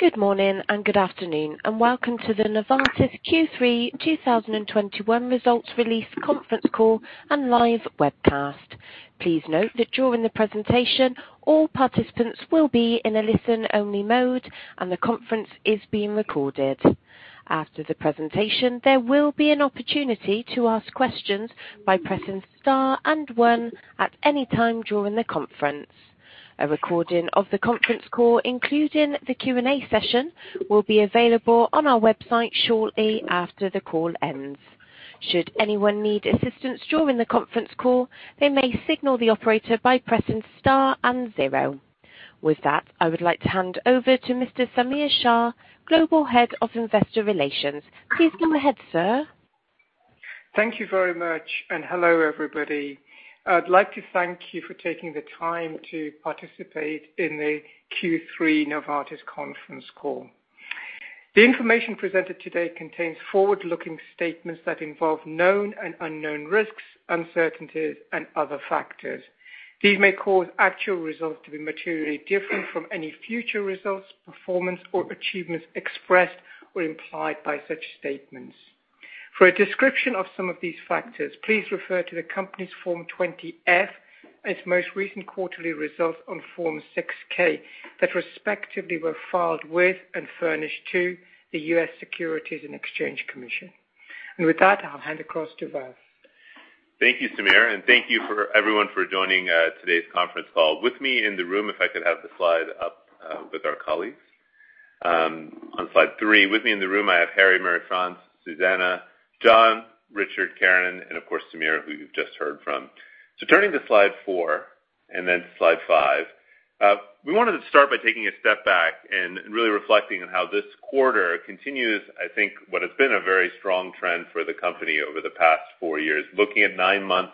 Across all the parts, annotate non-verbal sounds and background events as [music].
Good morning and good afternoon, and welcome to the Novartis Q3 2021 Results Release Conference Call and live webcast. Please note that during the presentation, all participants will be in a listen-only mode and the conference is being recorded. After the presentation, there will be an opportunity to ask questions by pressing star and one at any time during the conference. A recording of the conference call, including the Q&A session, will be available on our website shortly after the call ends. Should anyone need assistance during the conference call, they may signal the operator by pressing star and zero. With that, I would like to hand over to Mr. Samir Shah, Novartis Head of Investor Relations. Please go ahead, sir. Thank you very much. Hello, everybody. I'd like to thank you for taking the time to participate in the Q3 Novartis conference call. The information presented today contains forward-looking statements that involve known and unknown risks, uncertainties and other factors. These may cause actual results to be materially different from any future results, performance or achievements expressed or implied by such statements. For a description of some of these factors, please refer to the company's Form 20-F, its most recent quarterly results on Form 6-K that respectively were filed with and furnished to the U.S. Securities and Exchange Commission. With that, I'll hand across to Vas. Thank you, Samir, and thank you for everyone for joining today's conference call. With me in the room, if I could have the slide up, with our colleagues. On slide three. With me in the room, I have Harry, Marie-France, Susanna, John, Richard, Karen, and of course, Samir, who you've just heard from. Turning to slide four and then slide five. We wanted to start by taking a step back and really reflecting on how this quarter continues, I think what has been a very strong trend for the company over the past four years. Looking at nine months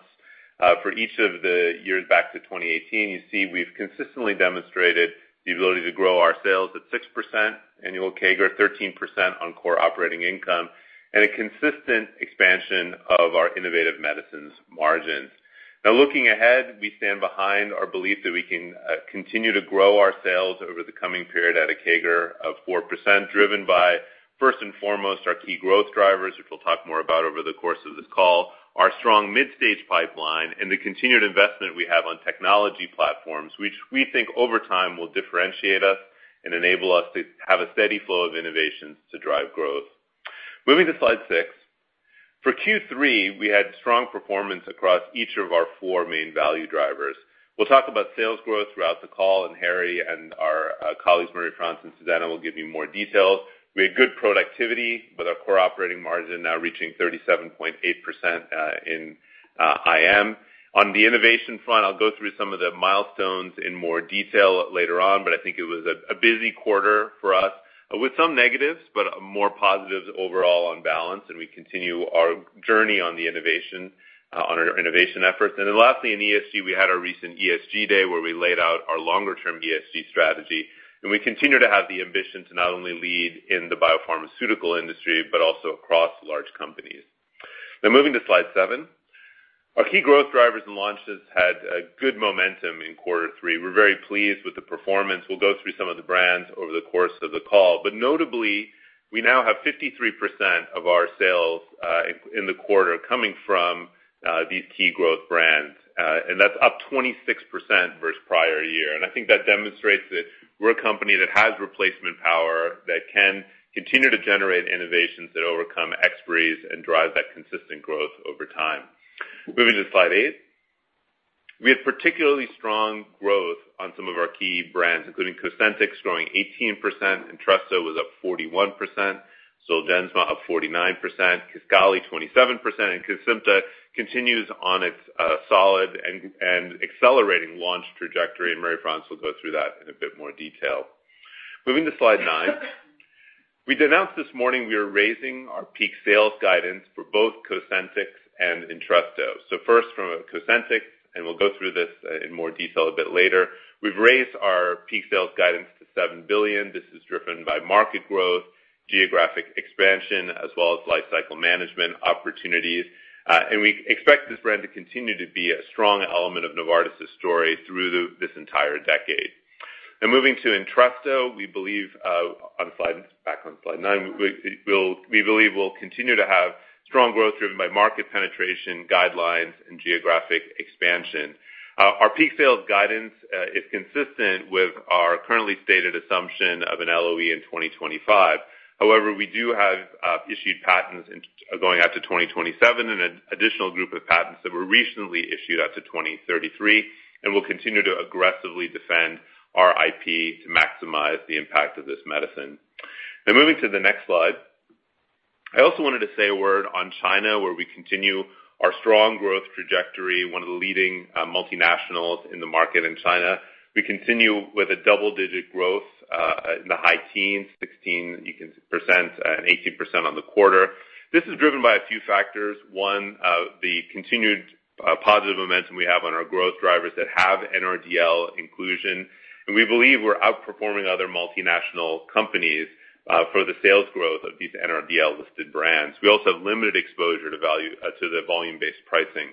for each of the years back to 2018, you see we've consistently demonstrated the ability to grow our sales at 6% annual CAGR, 13% on core operating income, and a consistent expansion of our Innovative Medicines margins. Now looking ahead, we stand behind our belief that we can continue to grow our sales over the coming period at a CAGR of 4%, driven by first and foremost our key growth drivers, which we'll talk more about over the course of this call, our strong mid-stage pipeline and the continued investment we have on technology platforms, which we think over time will differentiate us and enable us to have a steady flow of innovations to drive growth. Moving to slide six. For Q3, we had strong performance across each of our four main value drivers. We'll talk about sales growth throughout the call, and Harry and our colleagues, Marie-France and Susanne, will give you more details. We had good productivity with our core operating margin now reaching 37.8% in IM. On the innovation front, I'll go through some of the milestones in more detail later on, but I think it was a busy quarter for us with some negatives, but more positives overall on balance, and we continue our journey on our innovation efforts. Lastly, in ESG, we had our recent ESG day where we laid out our longer-term ESG strategy, and we continue to have the ambition to not only lead in the biopharmaceutical industry, but also across large companies. Now moving to slide seven. Our key growth drivers and launches had a good momentum in quarter three. We're very pleased with the performance. We'll go through some of the brands over the course of the call. Notably, we now have 53% of our sales in the quarter coming from these key growth brands, and that's up 26% versus prior year. I think that demonstrates that we're a company that has replacement power that can continue to generate innovations that overcome expiries and drive that consistent growth over time. Moving to slide eight. We have particularly strong growth on some of our key brands, including Cosentyx growing 18%. Entresto was up 41%. Zolgensma up 49%. Kisqali 27%. Kisqali continues on its solid and accelerating launch trajectory, and Marie-France will go through that in a bit more detail. Moving to slide nine. We announced this morning we are raising our peak sales guidance for both Cosentyx and Entresto. First from Cosentyx, and we'll go through this in more detail a bit later. We've raised our peak sales guidance to $7 billion. This is driven by market growth, geographic expansion, as well as lifecycle management opportunities. We expect this brand to continue to be a strong element of Novartis' story through this entire decade. Now moving to Entresto, we believe back on slide nine. We believe we'll continue to have strong growth driven by market penetration guidelines and geographic expansion. Our peak sales guidance is consistent with our currently stated assumption of an LOE in 2025. However, we do have issued patents going out to 2027 and an additional group of patents that were recently issued out to 2033, and we'll continue to aggressively defend our IP to maximize the impact of this medicine. Now moving to the next slide. I also wanted to say a word on China, where we continue our strong growth trajectory, one of the leading multinationals in the market in China. We continue with double-digit growth in the high teens, 16% and 18% on the quarter. This is driven by a few factors. One, the continued positive momentum we have on our growth drivers that have NRDL inclusion. We believe we're outperforming other multinational companies for the sales growth of these NRDL-listed brands. We also have limited exposure to the volume-based pricing.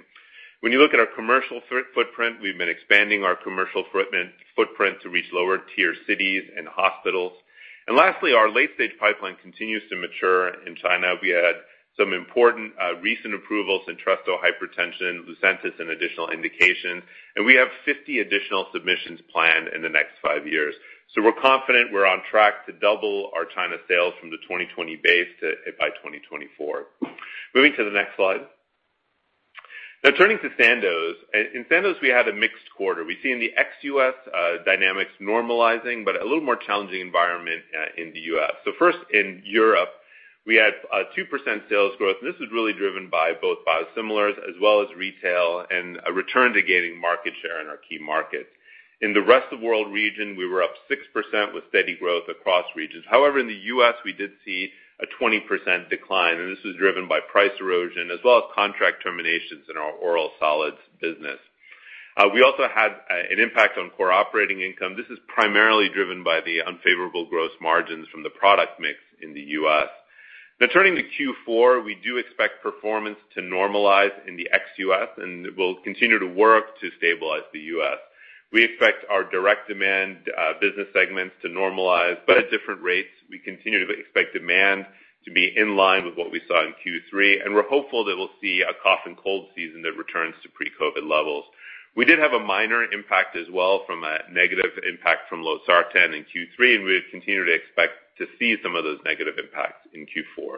When you look at our commercial footprint, we've been expanding our commercial footprint to reach lower-tier cities and hospitals. Lastly, our late-stage pipeline continues to mature in China. We had some important recent approvals, Entresto hypertension, Lucentis, an additional indication, and we have 50 additional submissions planned in the next five years. We're confident we're on track to double our China sales from the 2020 base to by 2024. Moving to the next slide. Now turning to Sandoz. In Sandoz, we had a mixed quarter. We see in the ex-U.S. dynamics normalizing, but a little more challenging environment in the U.S. First, in Europe, we had a 2% sales growth. This is really driven by both biosimilars as well as retail and a return to gaining market share in our key markets. In the rest of world region, we were up 6% with steady growth across regions. However, in the U.S., we did see a 20% decline, and this was driven by price erosion as well as contract terminations in our oral solids business. We also had an impact on core operating income. This is primarily driven by the unfavorable gross margins from the product mix in the U.S. Now turning to Q4, we do expect performance to normalize in the ex-U.S., and we'll continue to work to stabilize the U.S. We expect our direct demand business segments to normalize, but at different rates. We continue to expect demand to be in line with what we saw in Q3, and we're hopeful that we'll see a cough and cold season that returns to pre-COVID levels. We did have a minor impact as well from a negative impact from losartan in Q3, and we continue to expect to see some of those negative impacts in Q4.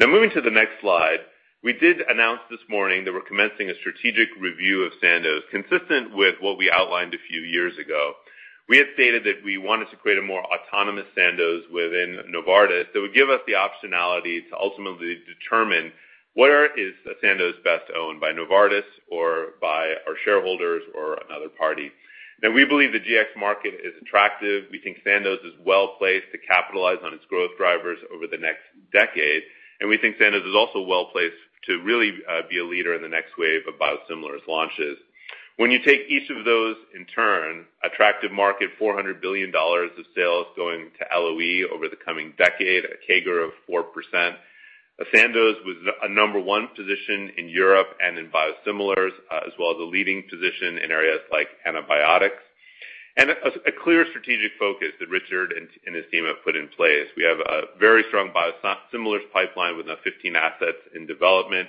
Now moving to the next slide. We did announce this morning that we're commencing a strategic review of Sandoz, consistent with what we outlined a few years ago. We had stated that we wanted to create a more autonomous Sandoz within Novartis that would give us the optionality to ultimately determine where is Sandoz best owned by Novartis or by our shareholders or another party. Now, we believe the GX market is attractive. We think Sandoz is well-placed to capitalize on its growth drivers over the next decade, and we think Sandoz is also well-placed to really be a leader in the next wave of biosimilars launches. When you take each of those in turn, attractive market, $400 billion of sales going to LOE over the coming decade, a CAGR of 4%. Sandoz was a number one position in Europe and in biosimilars, as well as a leading position in areas like antibiotics. A clear strategic focus that Richard and his team have put in place. We have a very strong biosimilars pipeline with now 15 assets in development,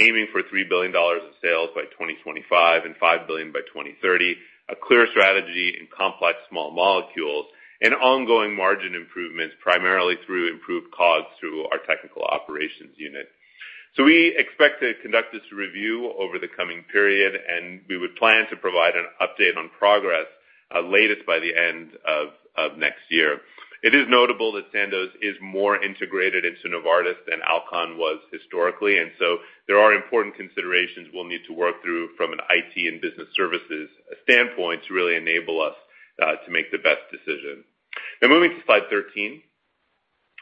aiming for $3 billion of sales by 2025 and $5 billion by 2030, a clear strategy in complex small molecules and ongoing margin improvements, primarily through improved costs through our technical operations unit. We expect to conduct this review over the coming period, and we would plan to provide an update on progress, latest by the end of next year. It is notable that Sandoz is more integrated into Novartis than Alcon was historically, and so there are important considerations we'll need to work through from an IT and business services standpoint to really enable us to make the best decision. Now moving to slide 13.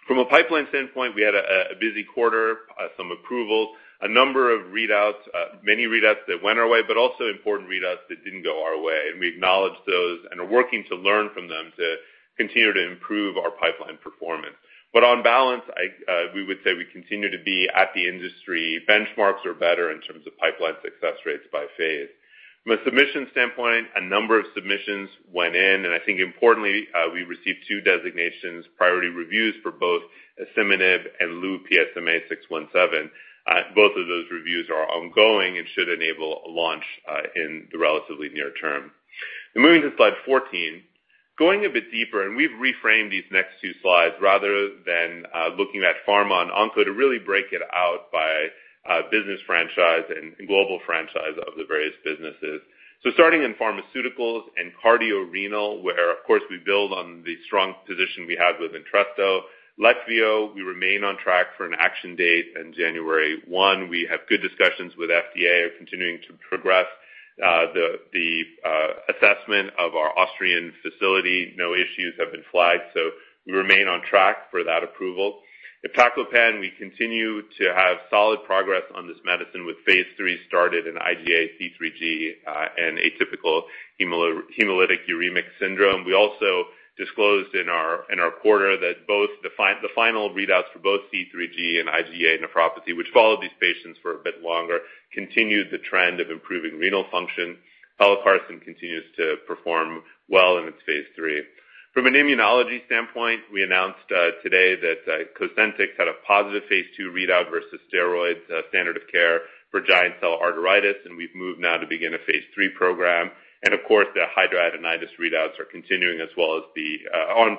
From a pipeline standpoint, we had a busy quarter, some approvals, a number of readouts, many readouts that went our way, but also important readouts that didn't go our way. We acknowledge those and are working to learn from them to continue to improve our pipeline performance. On balance, we would say we continue to be at the industry benchmarks or better in terms of pipeline success rates by phase. From a submission standpoint, a number of submissions went in, and I think importantly, we received two designations, priority reviews for both asciminib and Lu-PSMA-617. Both of those reviews are ongoing and should enable a launch in the relatively near term. Now moving to slide 14. Going a bit deeper, we've reframed these next two slides rather than looking at pharma and onco to really break it out by business franchise and global franchise of the various businesses. Starting in pharmaceuticals and cardiorenal, where, of course, we build on the strong position we have with Entresto. Leqvio, we remain on track for an action date in January 1. We have good discussions with FDA, are continuing to progress the assessment of our Austrian facility. No issues have been flagged, so we remain on track for that approval. On Iptacopan, we continue to have solid progress on this medicine with phase III started in IgA, C3G, and atypical hemolytic uremic syndrome. We also disclosed in our quarter that both the final readouts for both C3G and IgA nephropathy, which followed these patients for a bit longer, continued the trend of improving renal function. Iptacopan continues to perform well in its phase III. From an immunology standpoint, we announced today that Cosentyx had a positive phase II readout versus steroids, standard of care for giant cell arteritis, and we've moved now to begin a phase III program. Of course, the hidradenitis readouts are continuing as well as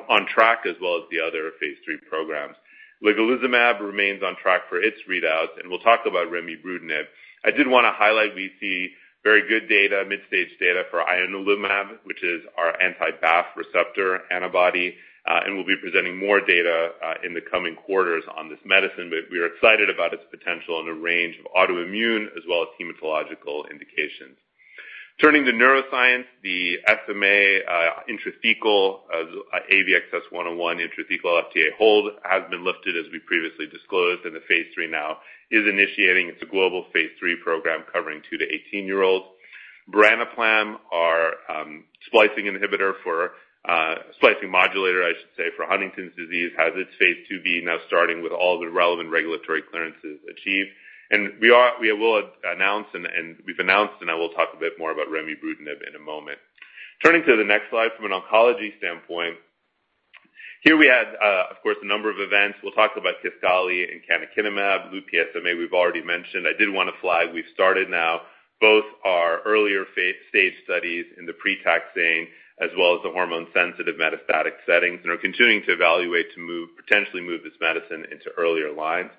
on track as well as the other phase III programs. Ligelizumab remains on track for its readouts, and we'll talk about remibrutinib. I did wanna highlight we see very good data, mid-stage data for Ianalumab, which is our anti-BAFF receptor antibody, and we'll be presenting more data in the coming quarters on this medicine. We are excited about its potential in a range of autoimmune as well as hematological indications. Turning to neuroscience, the SMA intrathecal AVXS-101 intrathecal FDA hold has been lifted as we previously disclosed, and the phase III now is initiating. It's a global phase III program covering 2- to 18-year-olds. Branaplam, our splicing modulator, I should say, for Huntington's disease, has its phase IIb now starting with all the relevant regulatory clearances achieved. We will announce and we've announced, and I will talk a bit more about remibrutinib in a moment. Turning to the next slide from an oncology standpoint. Here we had, of course, a number of events. We'll talk about Kisqali and canakinumab, Pluvicto we've already mentioned. I did want to flag, we've started now both our earlier phase-stage studies in the pre-taxane, as well as the hormone-sensitive metastatic settings, and are continuing to evaluate to potentially move this medicine into earlier lines.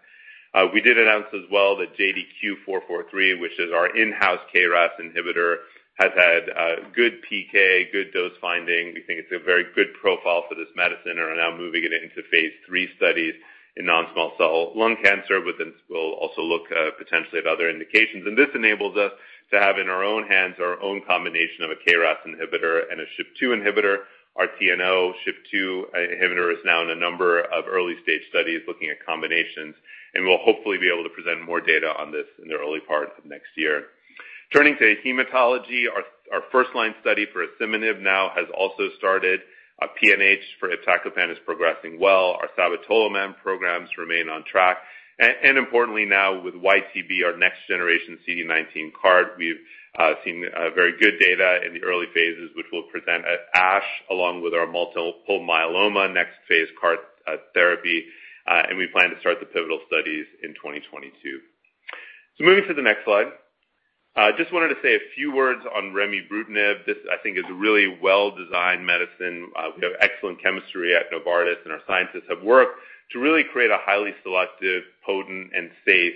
We did announce as well that JDQ443, which is our in-house KRAS inhibitor, has had good PK, good dose finding. We think it's a very good profile for this medicine and are now moving it into phase III studies in non-small cell lung cancer, but then we'll also look potentially at other indications. This enables us to have in our own hands our own combination of a KRAS inhibitor and a SHP2 inhibitor. Our TNO155 inhibitor is now in a number of early-stage studies looking at combinations, and we'll hopefully be able to present more data on this in the early part of next year. Turning to hematology, our first line study for asciminib now has also started. PNH for iptacopan is progressing well. Our sabatolimab programs remain on track. Importantly now with YTB323, our next generation CD19 CART, we've seen very good data in the early phases, which we'll present at ASH, along with our multiple myeloma next phase CART therapy. We plan to start the pivotal studies in 2022. Moving to the next slide. Just wanted to say a few words on remibrutinib. This, I think, is a really well-designed medicine. We have excellent chemistry at Novartis, and our scientists have worked to really create a highly selective, potent, and safe,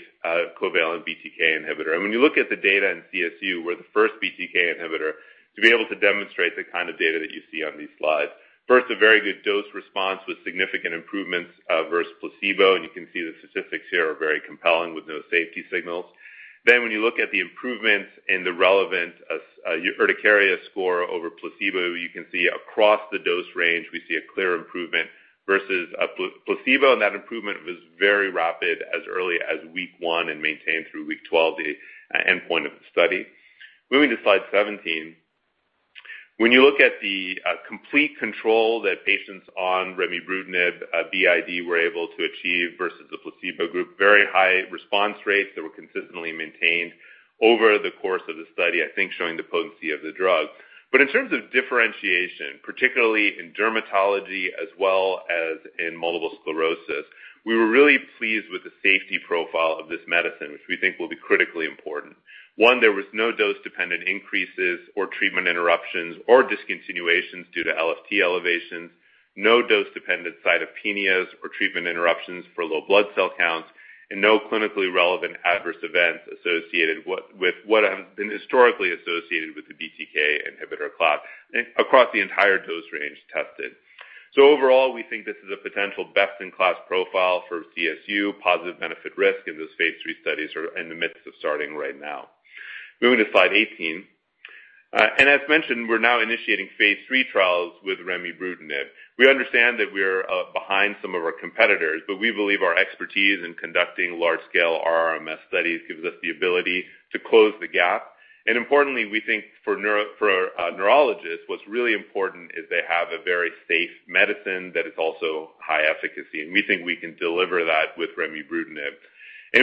covalent BTK inhibitor. When you look at the data in CSU, we're the first BTK inhibitor to be able to demonstrate the kind of data that you see on these slides. First, a very good dose response with significant improvements versus placebo, and you can see the statistics here are very compelling with no safety signals. When you look at the improvements in the relevant urticaria score over placebo, you can see across the dose range, we see a clear improvement versus a placebo, and that improvement was very rapid as early as week one and maintained through week 12, the endpoint of the study. Moving to slide 17. When you look at the complete control that patients on remibrutinib BID were able to achieve versus the placebo group, very high response rates that were consistently maintained over the course of the study, I think showing the potency of the drug. In terms of differentiation, particularly in dermatology as well as in multiple sclerosis, we were really pleased with the safety profile of this medicine, which we think will be critically important. One, there was no dose-dependent increases or treatment interruptions or discontinuations due to LFT elevations, no dose-dependent cytopenias or treatment interruptions for low blood cell counts, and no clinically relevant adverse events associated with what has been historically associated with the BTK inhibitor class across the entire dose range tested. Overall, we think this is a potential best-in-class profile for CSU, positive benefit risk, and those phase III studies are in the midst of starting right now. Moving to slide 18. As mentioned, we're now initiating phase III trials with remibrutinib. We understand that we're behind some of our competitors, but we believe our expertise in conducting large-scale RRMS studies gives us the ability to close the gap. Importantly, we think for neurologists, what's really important is they have a very safe medicine that is also high efficacy, and we think we can deliver that with remibrutinib.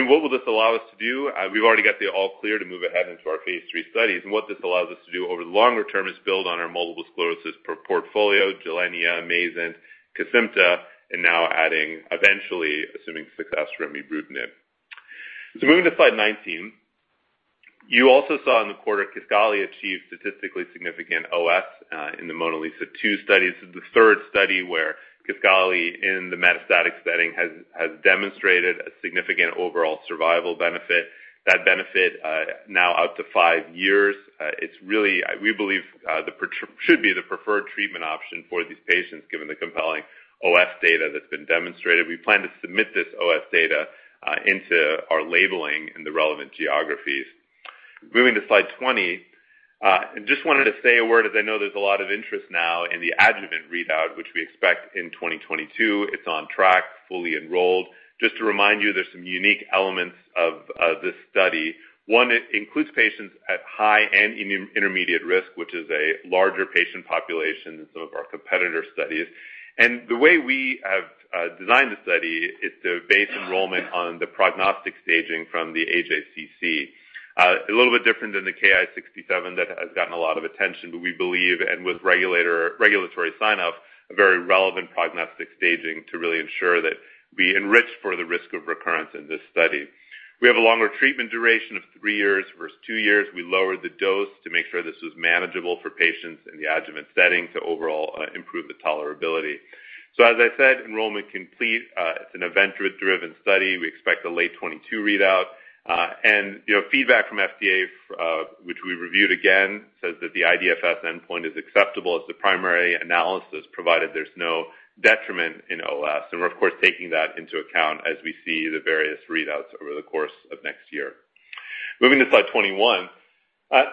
What will this allow us to do? We've already got the all clear to move ahead into our phase III studies. What this allows us to do over the longer term is build on our multiple sclerosis portfolio, Gilenya, Mayzent, Kesimpta, and now adding, eventually, assuming success remibrutinib. Moving to slide 19. You also saw in the quarter Kisqali achieved statistically significant OS in the MONALEESA-2 study. This is the third study where Kisqali in the metastatic setting has demonstrated a significant overall survival benefit. That benefit now out to five years, it's really, we believe, should be the preferred treatment option for these patients given the compelling OS data that's been demonstrated. We plan to submit this OS data into our labeling in the relevant geographies. Moving to slide 20. Just wanted to say a word, as I know there's a lot of interest now in the adjuvant readout, which we expect in 2022. It's on track, fully enrolled. Just to remind you, there's some unique elements of this study. One, it includes patients at high and intermediate risk, which is a larger patient population than some of our competitor studies. The way we have designed the study is to base enrollment on the prognostic staging from the AJCC. A little bit different than the Ki-67 that has gotten a lot of attention, but we believe, and with regulatory sign-off, a very relevant prognostic staging to really ensure that we enrich for the risk of recurrence in this study. We have a longer treatment duration of three years versus two years. We lowered the dose to make sure this was manageable for patients in the adjuvant setting to overall improve the tolerability. As I said, enrollment complete. It's an event-driven study. We expect a late 2022 readout. And you know, feedback from FDA, which we reviewed again, says that the IDFS endpoint is acceptable as the primary analysis, provided there's no detriment in OS. We're of course taking that into account as we see the various readouts over the course of next year. Moving to slide 21.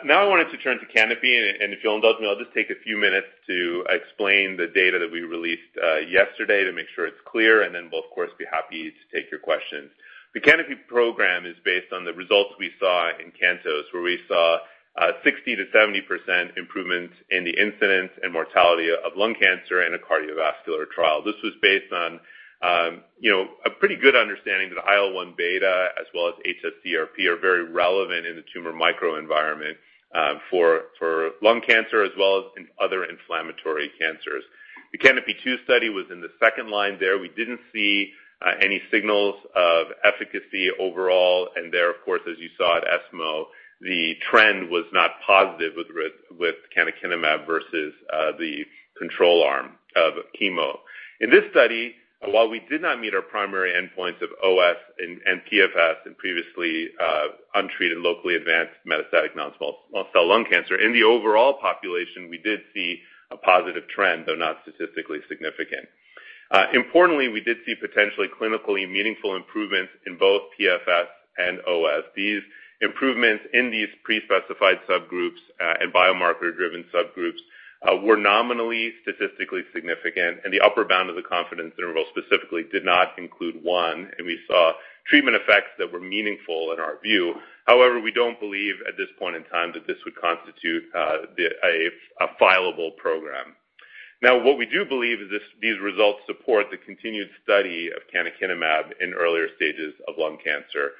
Now I wanted to turn to CANOPY, and if you'll indulge me, I'll just take a few minutes to explain the data that we released yesterday to make sure it's clear, and then we'll of course be happy to take your questions. The CANOPY program is based on the results we saw in CANTOS, where we saw 60%-70% improvement in the incidence and mortality of lung cancer in a cardiovascular trial. This was based on, you know, a pretty good understanding that IL-1β as well as hsCRP are very relevant in the tumor microenvironment, for lung cancer as well as in other inflammatory cancers. The CANOPY-2 study was in the second line there. We didn't see any signals of efficacy overall, and there, of course, as you saw at ESMO, the trend was not positive with canakinumab versus the control arm of chemo. In this study, while we did not meet our primary endpoints of OS and PFS in previously untreated locally advanced metastatic non-small cell lung cancer, in the overall population, we did see a positive trend, though not statistically significant. Importantly, we did see potentially clinically meaningful improvements in both PFS and OS. These improvements in these pre-specified subgroups, and biomarker-driven subgroups, were nominally statistically significant, and the upper bound of the confidence interval specifically did not include one, and we saw treatment effects that were meaningful in our view. However, we don't believe at this point in time that this would constitute a fileable program. Now, what we do believe is this, these results support the continued study of canakinumab in earlier stages of lung cancer.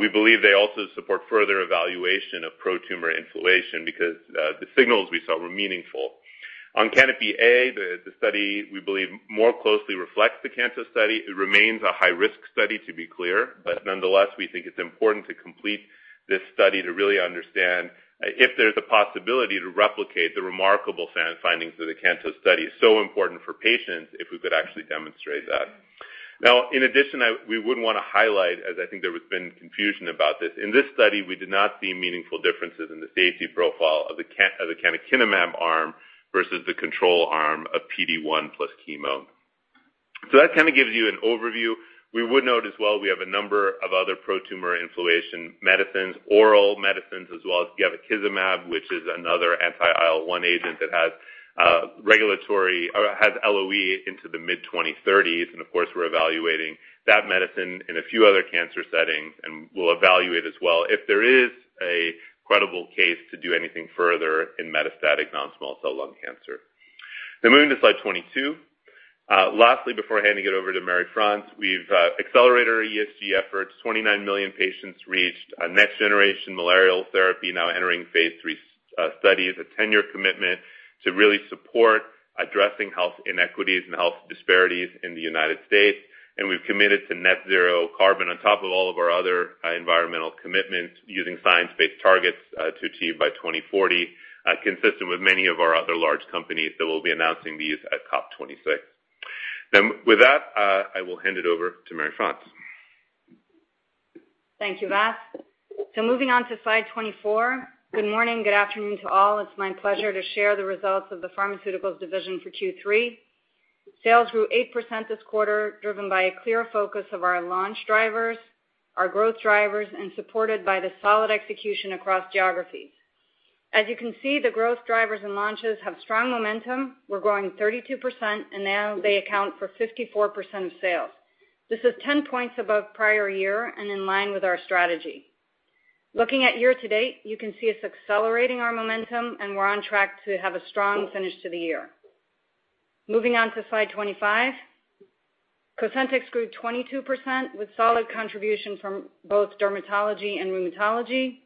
We believe they also support further evaluation of pro-tumor inflammation because the signals we saw were meaningful. On CANOPY-A, the study we believe more closely reflects the CANTOS study. It remains a high-risk study, to be clear, but nonetheless, we think it's important to complete this study to really understand if there's a possibility to replicate the remarkable findings of the CANTOS study. Important for patients if we could actually demonstrate that. Now, in addition, we would wanna highlight, as I think there has been confusion about this, in this study, we did not see meaningful differences in the safety profile of the canakinumab arm versus the control arm of PD-1 plus chemo. That kind of gives you an overview. We would note as well, we have a number of other pro-tumor inflammation medicines, oral medicines, as well as gevokizumab, which is another anti-IL-1 agent that has regulatory or has LOE into the mid-2030s, and of course, we're evaluating that medicine in a few other cancer settings, and we'll evaluate as well if there is a credible case to do anything further in metastatic non-small cell lung cancer. Now moving to slide 22. Lastly, before handing it over to Marie-France, we've accelerated our ESG efforts. 29 million patients reached. Our next-generation malarial therapy now entering phase III study. A 10-year commitment to really support addressing health inequities and health disparities in the United States, and we've committed to net zero carbon on top of all of our other environmental commitments using science-based targets to achieve by 2040, consistent with many of our other large companies that will be announcing these at COP 26. Now, with that, I will hand it over to Marie-France. Thank you, Vas. Moving on to slide 24. Good morning, good afternoon to all. It's my pleasure to share the results of the pharmaceuticals division for Q3. Sales grew 8% this quarter, driven by a clear focus of our launch drivers, our growth drivers, and supported by the solid execution across geographies. As you can see, the growth drivers and launches have strong momentum. We're growing 32%, and now they account for 54% of sales. This is 10 points above prior year and in line with our strategy. Looking at year to date, you can see us accelerating our momentum, and we're on track to have a strong finish to the year. Moving on to slide 25. Cosentyx grew 22%, with solid contribution from both dermatology and rheumatology.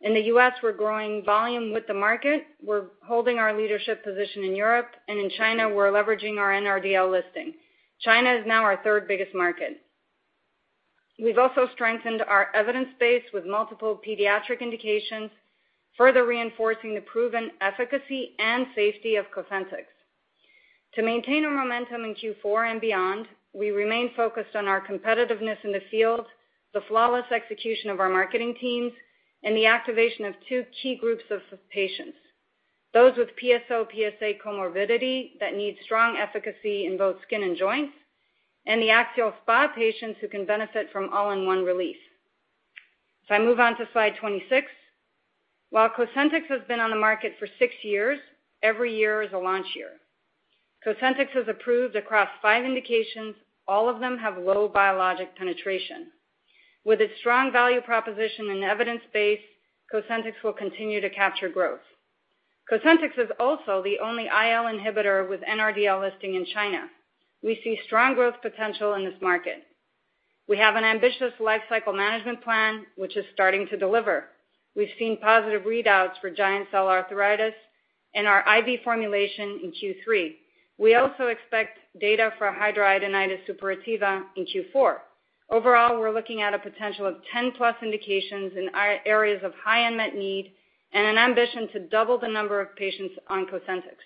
In the U.S., we're growing volume with the market. We're holding our leadership position in Europe, and in China, we're leveraging our NRDL listing. China is now our third-biggest market. We've also strengthened our evidence base with multiple pediatric indications, further reinforcing the proven efficacy and safety of Cosentyx. To maintain our momentum in Q4 and beyond, we remain focused on our competitiveness in the field, the flawless execution of our marketing teams, and the activation of two key groups of patients, those with PSO/PSA comorbidity that need strong efficacy in both skin and joints, and the axial SpA patients who can benefit from all-in-one relief. I move on to slide 26. While Cosentyx has been on the market for six years, every year is a launch year. Cosentyx is approved across five indications, all of them have low biologic penetration. With its strong value proposition and evidence base, Cosentyx will continue to capture growth. Cosentyx is also the only IL inhibitor with NRDL listing in China. We see strong growth potential in this market. We have an ambitious lifecycle management plan, which is starting to deliver. We've seen positive readouts for giant cell arteritis and our IV formulation in Q3. We also expect data for hidradenitis suppurativa in Q4. Overall, we're looking at a potential of 10+ indications in areas of high unmet need and an ambition to double the number of patients on Cosentyx.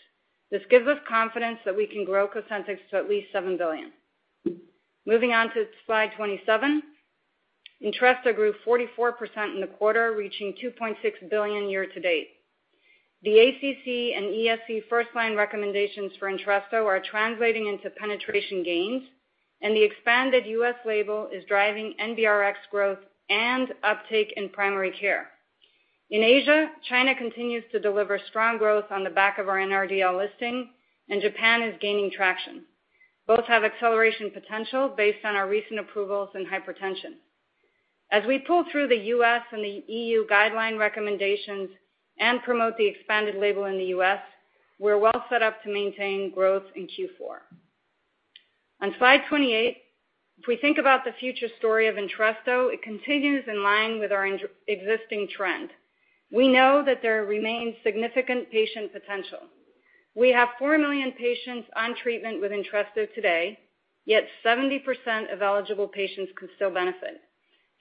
This gives us confidence that we can grow Cosentyx to at least $7 billion. Moving on to slide 27. Entresto grew 44% in the quarter, reaching $2.6 billion year to date. The ACC and ESC first-line recommendations for Entresto are translating into penetration gains, and the expanded U.S. label is driving NBRX growth and uptake in primary care. In Asia, China continues to deliver strong growth on the back of our NRDL listing, and Japan is gaining traction. Both have acceleration potential based on our recent approvals in hypertension. As we pull through the U.S. and the EU guideline recommendations and promote the expanded label in the U.S., we're well set up to maintain growth in Q4. On slide 28, if we think about the future story of Entresto, it continues in line with our existing trend. We know that there remains significant patient potential. We have 4 million patients on treatment with Entresto today, yet 70% of eligible patients could still benefit.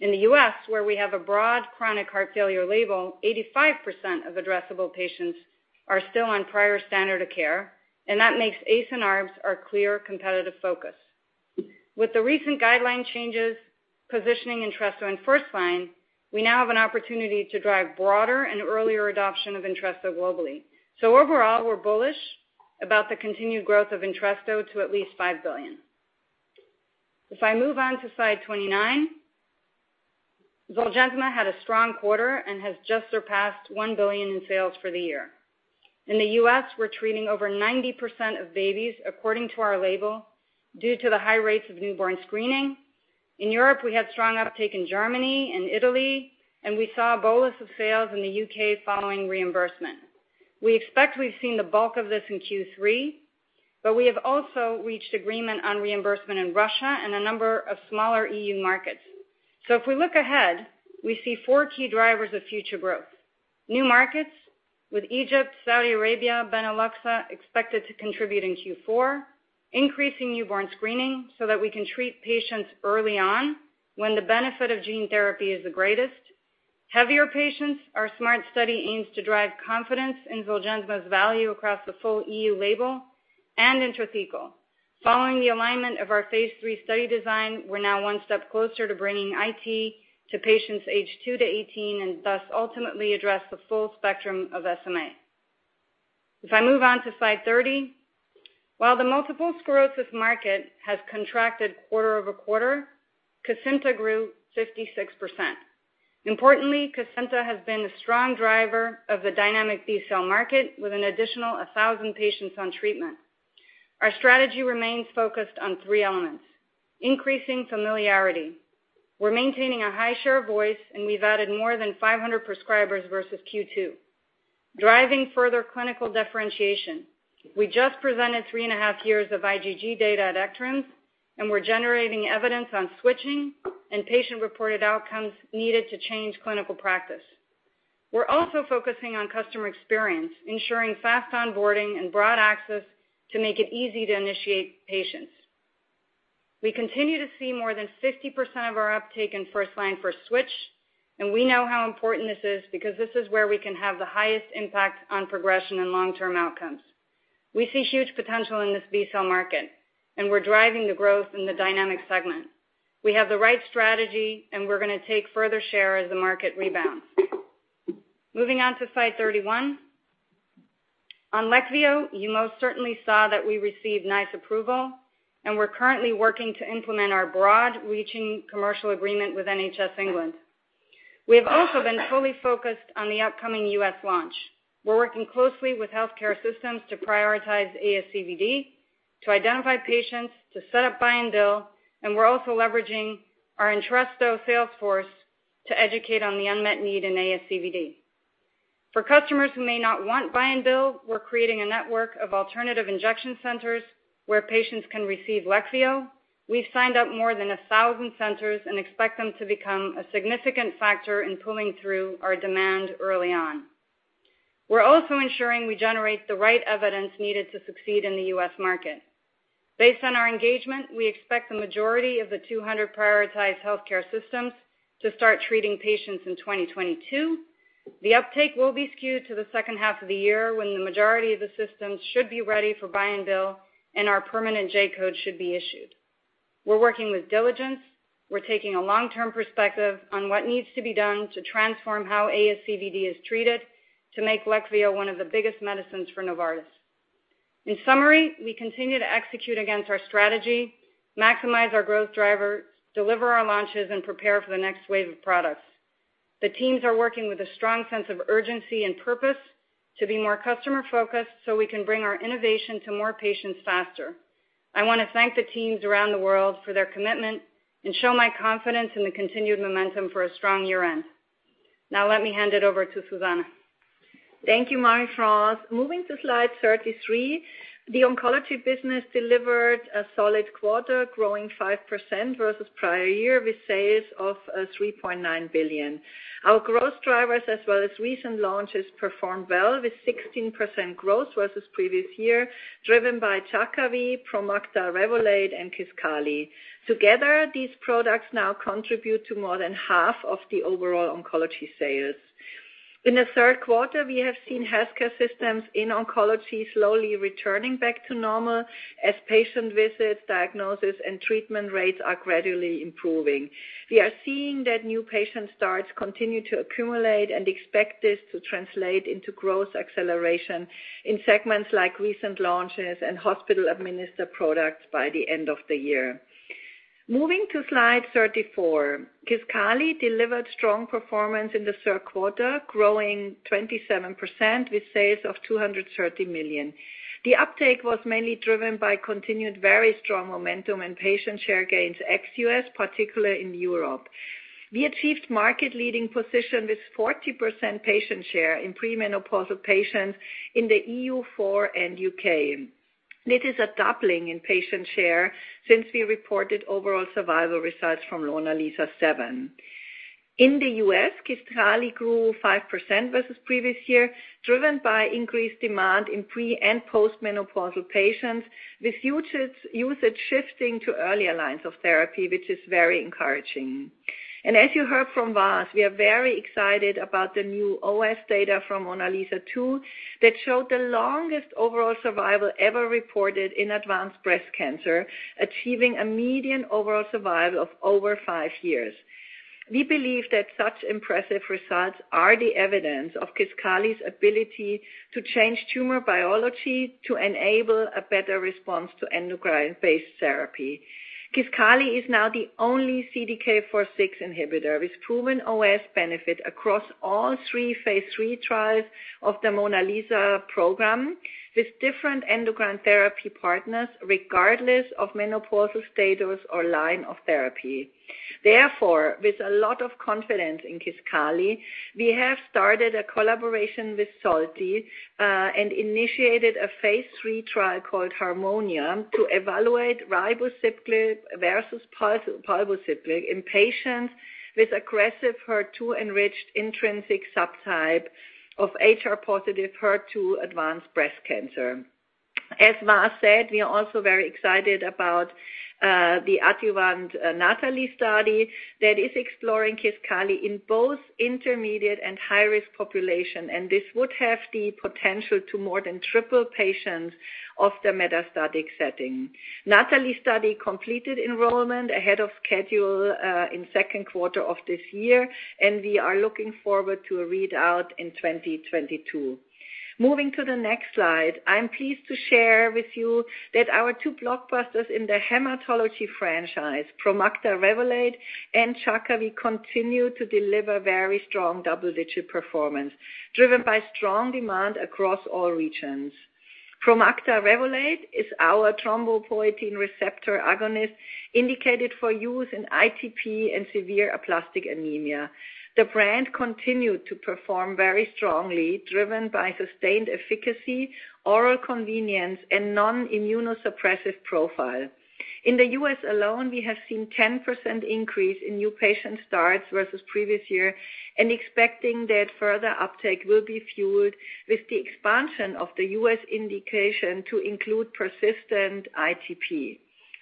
In the U.S., where we have a broad chronic heart failure label, 85% of addressable patients are still on prior standard of care, and that makes ACE and ARBs our clear competitive focus. With the recent guideline changes positioning Entresto in first line, we now have an opportunity to drive broader and earlier adoption of Entresto globally. Overall, we're bullish about the continued growth of Entresto to at least $5 billion. If I move on to slide 29, Zolgensma had a strong quarter and has just surpassed $1 billion in sales for the year. In the U.S., we're treating over 90% of babies according to our label due to the high rates of newborn screening. In Europe, we had strong uptake in Germany and Italy, and we saw a bolus of sales in the U.K. following reimbursement. We expect we've seen the bulk of this in Q3, but we have also reached agreement on reimbursement in Russia and a number of smaller EU markets. If we look ahead, we see four key drivers of future growth. New markets with Egypt, Saudi Arabia, Benelux expected to contribute in Q4, increasing newborn screening so that we can treat patients early on when the benefit of gene therapy is the greatest. Heavier patients, our SMART study aims to drive confidence in Zolgensma's value across the full EU label and intrathecal. Following the alignment of our phase III study design, we're now one step closer to bringing IT to patients aged 2 to 18, and thus ultimately address the full spectrum of SMA. If I move on to slide 30, while the multiple sclerosis market has contracted quarter-over-quarter, Kesimpta grew 56%. Importantly, Kesimpta has been a strong driver of the dynamic B-cell market with an additional 1,000 patients on treatment. Our strategy remains focused on three elements. Increasing familiarity. We're maintaining a high share of voice, and we've added more than 500 prescribers versus Q2. Driving further clinical differentiation. We just presented 3.5 years of IgG data at ECTRIMS, and we're generating evidence on switching and patient-reported outcomes needed to change clinical practice. We're also focusing on customer experience, ensuring fast onboarding and broad access to make it easy to initiate patients. We continue to see more than 50% of our uptake in first line for switch, and we know how important this is because this is where we can have the highest impact on progression and long-term outcomes. We see huge potential in this B-cell market, and we're driving the growth in the dynamic segment. We have the right strategy, and we're gonna take further share as the market rebounds. Moving on to slide 31. On Leqvio, you most certainly saw that we received NICE approval, and we're currently working to implement our broad-reaching commercial agreement with NHS England. We have also been fully focused on the upcoming U.S. launch. We're working closely with healthcare systems to prioritize ASCVD, to identify patients, to set up buy and bill, and we're also leveraging our Entresto sales force to educate on the unmet need in ASCVD. For customers who may not want buy and bill, we're creating a network of alternative injection centers where patients can receive Leqvio. We've signed up more than 1,000 centers and expect them to become a significant factor in pulling through our demand early on. We're also ensuring we generate the right evidence needed to succeed in the U.S. market. Based on our engagement, we expect the majority of the 200 prioritized healthcare systems to start treating patients in 2022. The uptake will be skewed to the second half of the year when the majority of the systems should be ready for buy and bill, and our permanent J-code should be issued. We're working with diligence. We're taking a long-term perspective on what needs to be done to transform how ASCVD is treated to make Leqvio one of the biggest medicines for Novartis. In summary, we continue to execute against our strategy, maximize our growth drivers, deliver our launches, and prepare for the next wave of products. The teams are working with a strong sense of urgency and purpose to be more customer-focused so we can bring our innovation to more patients faster. I want to thank the teams around the world for their commitment and show my confidence in the continued momentum for a strong year-end. Now let me hand it over to Susanne. Thank you, Marie-France. Moving to slide 33, the oncology business delivered a solid quarter, growing 5% versus prior year with sales of $3.9 billion. Our growth drivers as well as recent launches performed well with 16% growth versus previous year, driven by Jakavi, Promacta, Revolade, and Kisqali. Together, these products now contribute to more than half of the overall oncology sales. In the Q3, we have seen healthcare systems in oncology slowly returning back to normal as patient visits, diagnosis, and treatment rates are gradually improving. We are seeing that new patient starts continue to accumulate and expect this to translate into growth acceleration in segments like recent launches and hospital-administered products by the end of the year. Moving to slide 34. Kisqali delivered strong performance in the Q3, growing 27% with sales of $230 million. The uptake was mainly driven by continued very strong momentum and patient share gains ex-U.S., particularly in Europe. We achieved market-leading position with 40% patient share in premenopausal patients in the EU4 and U.K. It is a doubling in patient share since we reported overall survival results from MONALEESA-7. In the U.S., Kisqali grew 5% versus previous year, driven by increased demand in pre and postmenopausal patients with usage shifting to earlier lines of therapy, which is very encouraging. As you heard from Vas, we are very excited about the new OS data from MONALEESA-2 that showed the longest overall survival ever reported in advanced breast cancer, achieving a median overall survival of over five years. We believe that such impressive results are the evidence of Kisqali's ability to change tumor biology to enable a better response to endocrine-based therapy. Kisqali is now the only CDK4/6 inhibitor with proven OS benefit across all three phase III trials of the MONALEESA program with different endocrine therapy partners, regardless of menopausal status or line of therapy. Therefore, with a lot of confidence in Kisqali, we have started a collaboration with SOLTI and initiated a phase III trial called HARMONIA to evaluate ribociclib versus palbociclib in patients with aggressive HER2-enriched intrinsic subtype of HR-positive, HER2-negative advanced breast cancer. As Vas said, we are also very excited about the adjuvant NATALEE study that is exploring Kisqali in both intermediate- and high-risk populations, and this would have the potential to more than triple the patients in the metastatic setting. NATALEE study completed enrollment ahead of schedule in Q2 of this year, and we are looking forward to a readout in 2022. Moving to the next slide, I am pleased to share with you that our two blockbusters in the hematology franchise, Promacta, Revolade and Jakavi, continue to deliver very strong double-digit performance, driven by strong demand across all regions. Promacta, Revolade is our thrombopoietin receptor agonist indicated for use in ITP and severe aplastic anemia. The brand continued to perform very strongly, driven by sustained efficacy, oral convenience and non-immunosuppressive profile. In the U.S. alone, we have seen 10% increase in new patient starts versus previous year and expecting that further uptake will be fueled with the expansion of the U.S. indication to include persistent ITP.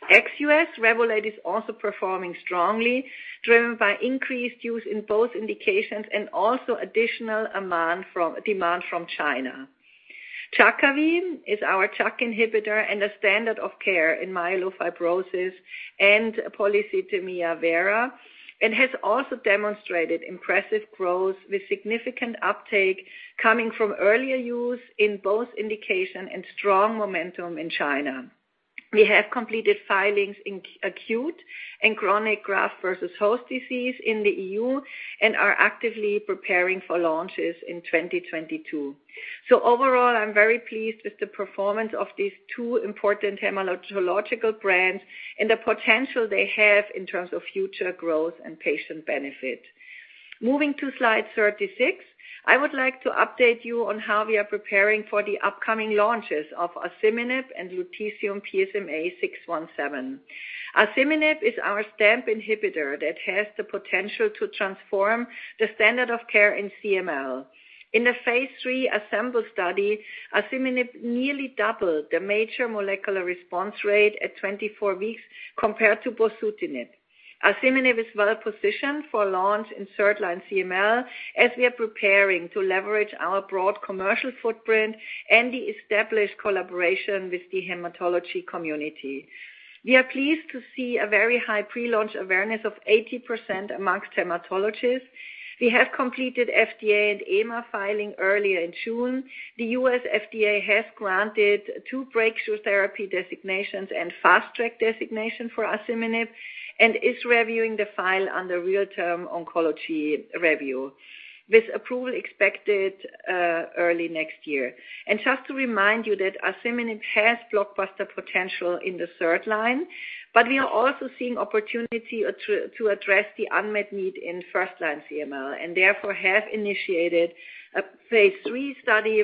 Ex-U.S., Revolade is also performing strongly, driven by increased use in both indications and also additional demand from China. Jakavi is our JAK inhibitor and a standard of care in myelofibrosis and polycythemia vera, and has also demonstrated impressive growth with significant uptake coming from earlier use in both indication and strong momentum in China. We have completed filings in acute and chronic graft-versus-host disease in the EU and are actively preparing for launches in 2022. Overall, I'm very pleased with the performance of these two important hematological brands and the potential they have in terms of future growth and patient benefit. Moving to slide 36, I would like to update you on how we are preparing for the upcoming launches of asciminib and Lu‑PSMA‑617. Asciminib is our STAMP inhibitor that has the potential to transform the standard of care in CML. In the phase III ASCEMBL study, asciminib nearly doubled the major molecular response rate at 24 weeks compared to bosutinib. Asciminib is well positioned for launch in third line CML as we are preparing to leverage our broad commercial footprint and the established collaboration with the hematology community. We are pleased to see a very high pre-launch awareness of 80% amongst hematologists. We have completed FDA and EMA filing earlier in June. The U.S. FDA has granted two breakthrough therapy designations and fast track designation for asciminib and is reviewing the file under Real-Time Oncology Review, with approval expected early next year. Just to remind you that asciminib has blockbuster potential in the third line. We are also seeing opportunity to address the unmet need in first line CML and therefore have initiated a phase III study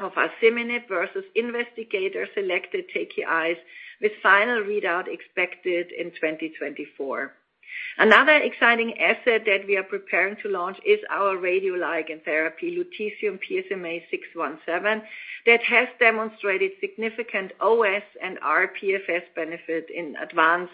of asciminib versus investigator selected TKI with final readout expected in 2024. Another exciting asset that we are preparing to launch is our radioligand therapy, Lu‑PSMA‑617, that has demonstrated significant OS and rPFS benefit in advanced,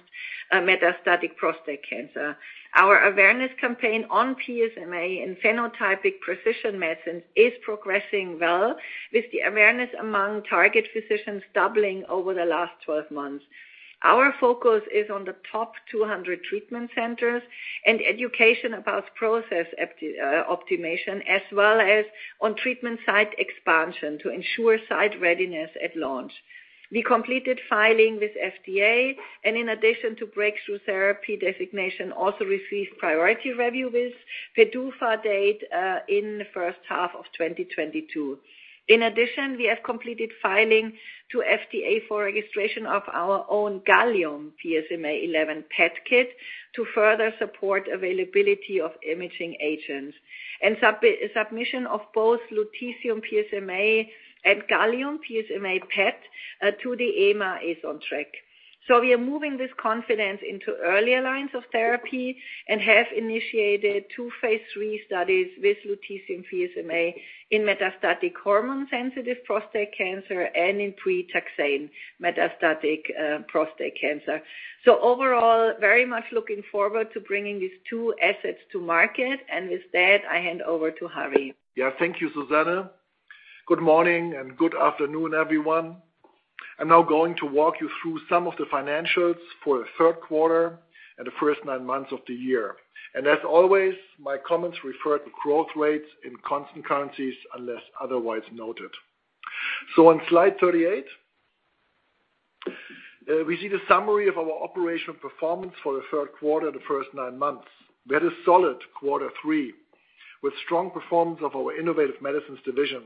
metastatic prostate cancer. Our awareness campaign on PSMA and phenotypic precision medicine is progressing well with the awareness among target physicians doubling over the last 12 months. Our focus is on the top 200 treatment centers and education about process optimization as well as on treatment site expansion to ensure site readiness at launch. We completed filing with FDA, and in addition to breakthrough therapy designation, also received priority review with PDUFA date in the first half of 2022. In addition, we have completed filing to FDA for registration of our own gallium PSMA-11 PET kit to further support availability of imaging agents. Submission of both lutetium‑PSMA and gallium‑PSMA PET to the EMA is on track. We are moving this confidence into earlier lines of therapy and have initiated two phase III studies with lutetium‑PSMA in metastatic hormone-sensitive prostate cancer and in pre-taxane metastatic prostate cancer. Overall, very much looking forward to bringing these two assets to market. With that, I hand over to Harry. Yeah. Thank you, Susanne. Good morning and good afternoon, everyone. I'm now going to walk you through some of the financials for the Q3 and the first nine months of the year. My comments refer to growth rates in constant currencies unless otherwise noted. On slide 38, we see the summary of our operational performance for the Q3 and the first nine months. We had a solid quarter three with strong performance of our Innovative Medicines division.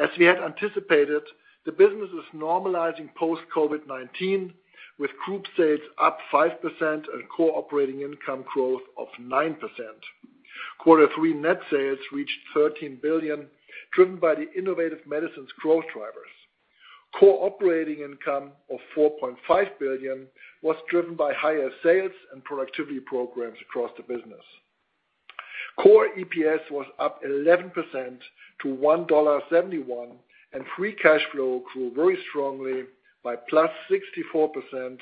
As we had anticipated, the business is normalizing post COVID-19, with group sales up 5% and core operating income growth of 9%. Q3 net sales reached $13 billion, driven by the Innovative Medicines growth drivers. Core operating income of $4.5 billion was driven by higher sales and productivity programs across the business. Core EPS was up 11% to $1.71, and free cash flow grew very strongly by +64%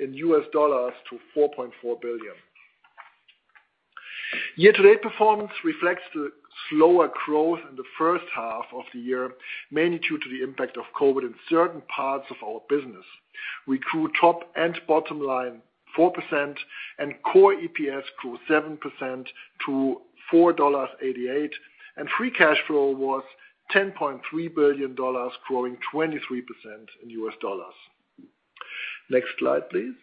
in U.S. dollars to $4.4 billion. Year to date performance reflects the slower growth in the first half of the year, mainly due to the impact of COVID in certain parts of our business. We grew top and bottom line 4%, and core EPS grew 7% to $4.88, and free cash flow was $10.3 billion, growing 23% in U.S. dollars. Next slide, please.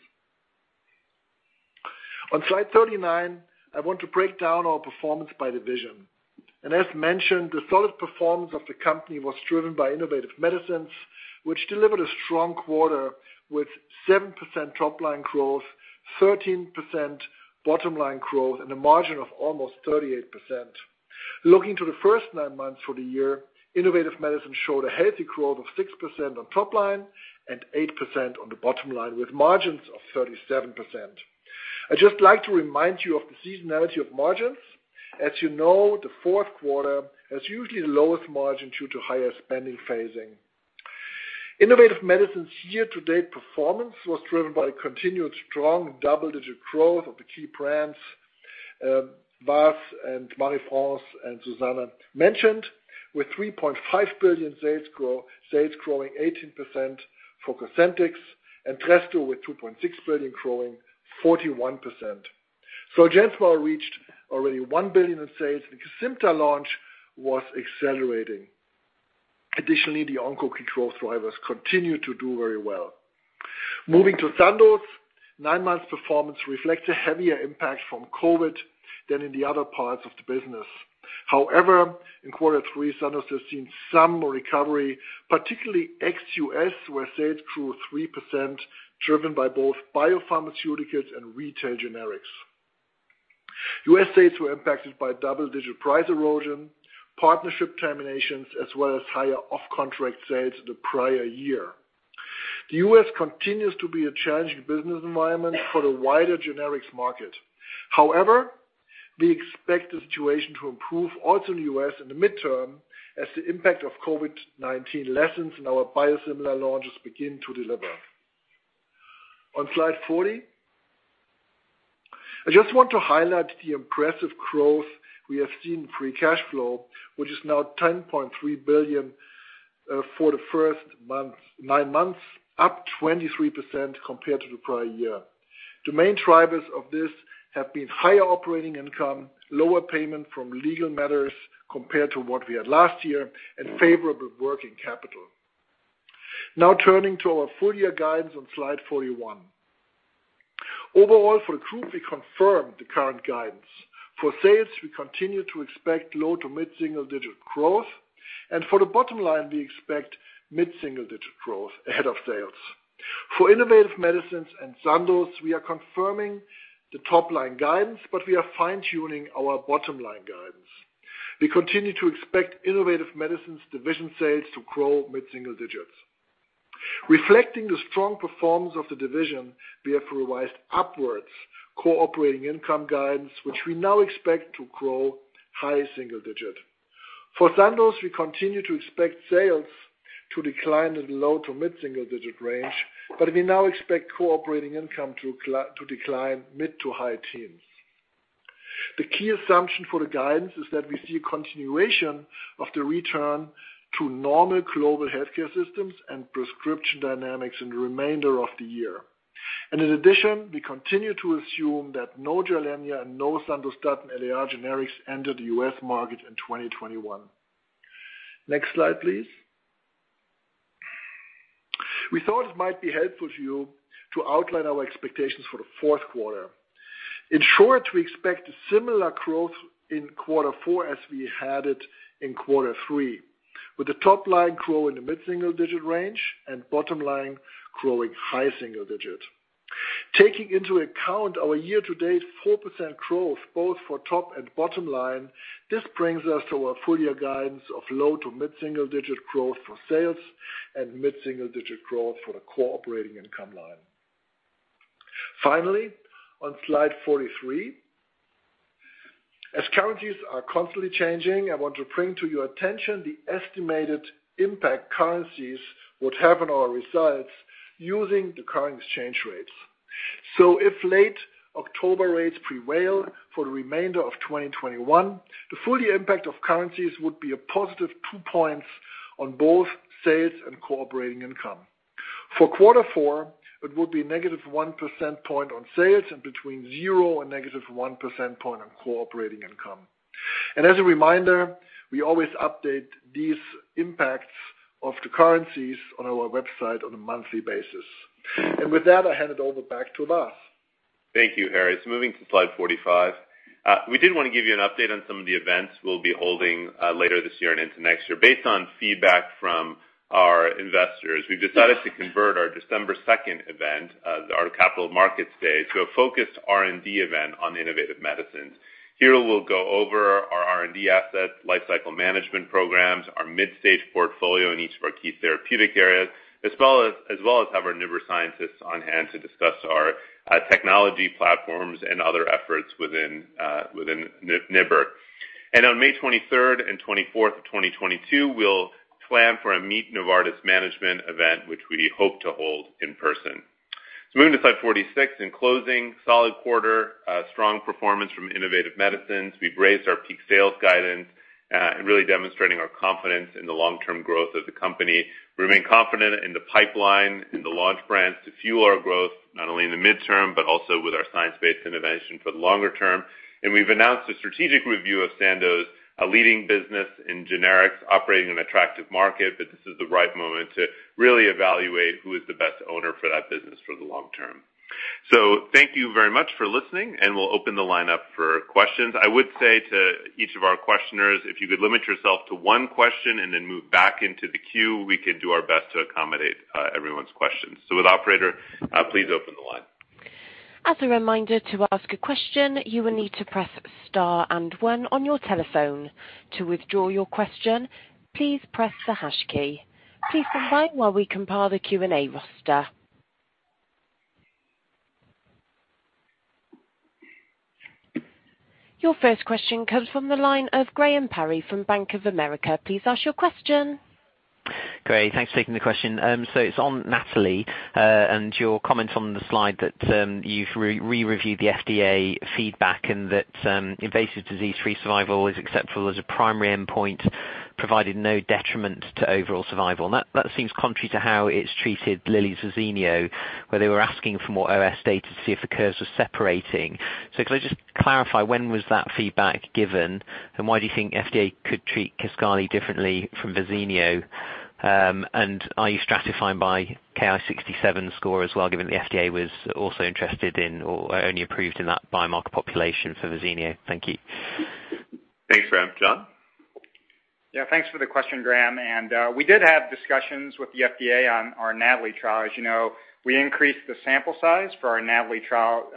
On slide 39, I want to break down our performance by division. As mentioned, the solid performance of the company was driven by Innovative Medicines, which delivered a strong quarter with 7% top line growth, 13% bottom line growth, and a margin of almost 38%. Looking to the first nine months for the year, Innovative Medicines showed a healthy growth of 6% on top line and 8% on the bottom line, with margins of 37%. I'd just like to remind you of the seasonality of margins. As you know, the Q4 has usually the lowest margin due to higher spending phasing. Innovative Medicines year to date performance was driven by continued strong double-digit growth of the key brands, as Vas, Marie-France, and Susanne mentioned, with $3.5 billion sales growing 18% for Cosentyx, and Entresto with $2.6 billion growing 41%. Jakavi already reached $1 billion in sales, and the Kesimpta launch was accelerating. Additionally, the onco core drivers continued to do very well. Moving to Sandoz, nine months' performance reflects a heavier impact from COVID than in the other parts of the business. However, in Q3, Sandoz has seen some recovery, particularly ex U.S., where sales grew 3%, driven by both biopharmaceuticals and retail generics. U.S. sales were impacted by double-digit price erosion, partnership terminations, as well as higher off-contract sales the prior year. The U.S. continues to be a challenging business environment for the wider generics market. However, we expect the situation to improve also in the U.S. in the midterm as the impact of COVID-19 lessens and our biosimilar launches begin to deliver. On slide 40, I just want to highlight the impressive growth we have seen in free cash flow, which is now 10.3 billion for nine months, up 23% compared to the prior year. The main drivers of this have been higher operating income, lower payment from legal matters compared to what we had last year, and favorable working capital. Now turning to our full year guidance on slide 41. Overall for the group, we confirm the current guidance. For sales, we continue to expect low- to mid-single-digit growth. For the bottom line, we expect mid-single-digit growth ahead of sales. For Innovative Medicines and Sandoz, we are confirming the top-line guidance, but we are fine-tuning our bottom-line guidance. We continue to expect Innovative Medicines division sales to grow mid-single-digits. Reflecting the strong performance of the division, we have revised upwards core operating income guidance, which we now expect to grow high-single-digit. For Sandoz, we continue to expect sales to decline in the low- to mid-single-digit range, but we now expect core operating income to decline mid- to high-teens. The key assumption for the guidance is that we see a continuation of the return to normal global healthcare systems and prescription dynamics in the remainder of the year. In addition, we continue to assume that no Gilenya and no Sandostatin LAR generics enter the U.S. market in 2021. Next slide, please. We thought it might be helpful to you to outline our expectations for the. In short, we expect a similar growth in Q4 as we had it in Q3, with the top line growing in the mid-single-digit range and bottom line growing high-single-digit. Taking into account our year-to-date 4% growth both for top and bottom line, this brings us to our full-year guidance of low- to mid-single-digit growth for sales and mid-single-digit growth for the core operating income line. Finally, on slide 43. As currencies are constantly changing, I want to bring to your attention the estimated impact currencies would have on our results using the current exchange rates. If late October rates prevail for the remainder of 2021, the full year impact of currencies would be a positive 2 points on both sales and core operating income. For quarter four, it would be negative 1 percentage point on sales and between 0 and negative 1 percentage point on core operating income. As a reminder, we always update these impacts of the currencies on our website on a monthly basis. With that, I hand it over back to Vas. Thank you, Harry. Moving to slide 45. We did want to give you an update on some of the events we'll be holding later this year and into next year. Based on feedback from our investors, we've decided to convert our December 2 event, our Capital Markets Day, to a focused R&D event on Innovative Medicines. Here, we'll go over our R&D assets, lifecycle management programs, our mid-stage portfolio in each of our key therapeutic areas, as well as have our NIBR scientists on-hand to discuss our technology platforms and other efforts within NIBR. On May 23 and 24 of 2022, we'll plan for a Meet Novartis Management event, which we hope to hold in person. Moving to slide 46. In closing, solid quarter, strong performance from Innovative Medicines. We've raised our peak sales guidance and really demonstrating our confidence in the long-term growth of the company. We remain confident in the pipeline and the launch brands to fuel our growth, not only in the mid-term, but also with our science-based innovation for the longer term. We've announced a strategic review of Sandoz, a leading business in generics, operating in an attractive market. This is the right moment to really evaluate who is the best owner for that business for the long term. Thank you very much for listening, and we'll open the line up for questions. I would say to each of our questioners, if you could limit yourself to one question and then move back into the queue, we can do our best to accommodate everyone's questions. With operator, please open the line. As a reminder, to ask a question, you will need to press star and one on your telephone. To withdraw your question, please press the hash key. Please stand by while we compile the Q&A roster. Your first question comes from the line of Graham Parry from Bank of America. Please ask your question. Great. Thanks for taking the question. It's on NATALEE, and your comment on the slide that you've re-reviewed the FDA feedback and that invasive disease-free survival is acceptable as a primary endpoint, provided no detriment to overall survival. That seems contrary to how it's treated Lilly's Verzenio, where they were asking for more OS data to see if the curves were separating. Could I just clarify, when was that feedback given? And why do you think FDA could treat Kisqali differently from Verzenio? Are you stratifying by Ki-67 score as well, given the FDA was also interested in or only approved in that biomarker population for Verzenio? Thank you. Thanks, Graham. John? Yeah, thanks for the question, Graham. We did have discussions with the FDA on our NATALEE trial. As you know, we increased the sample size for our NATALEE trial,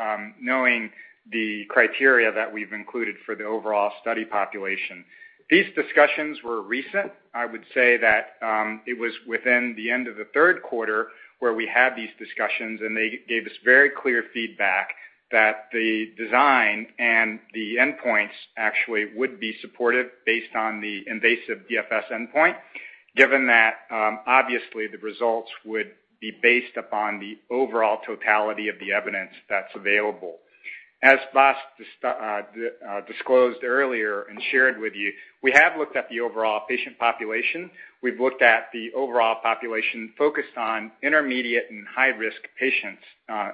knowing the criteria that we've included for the overall study population. These discussions were recent. I would say that it was within the end of the third quarter where we had these discussions, and they gave us very clear feedback that the design and the endpoints actually would be supported based on the invasive DFS endpoint, given that obviously the results would be based upon the overall totality of the evidence that's available. As Vas disclosed earlier and shared with you, we have looked at the overall patient population. We've looked at the overall population focused on intermediate and high-risk patients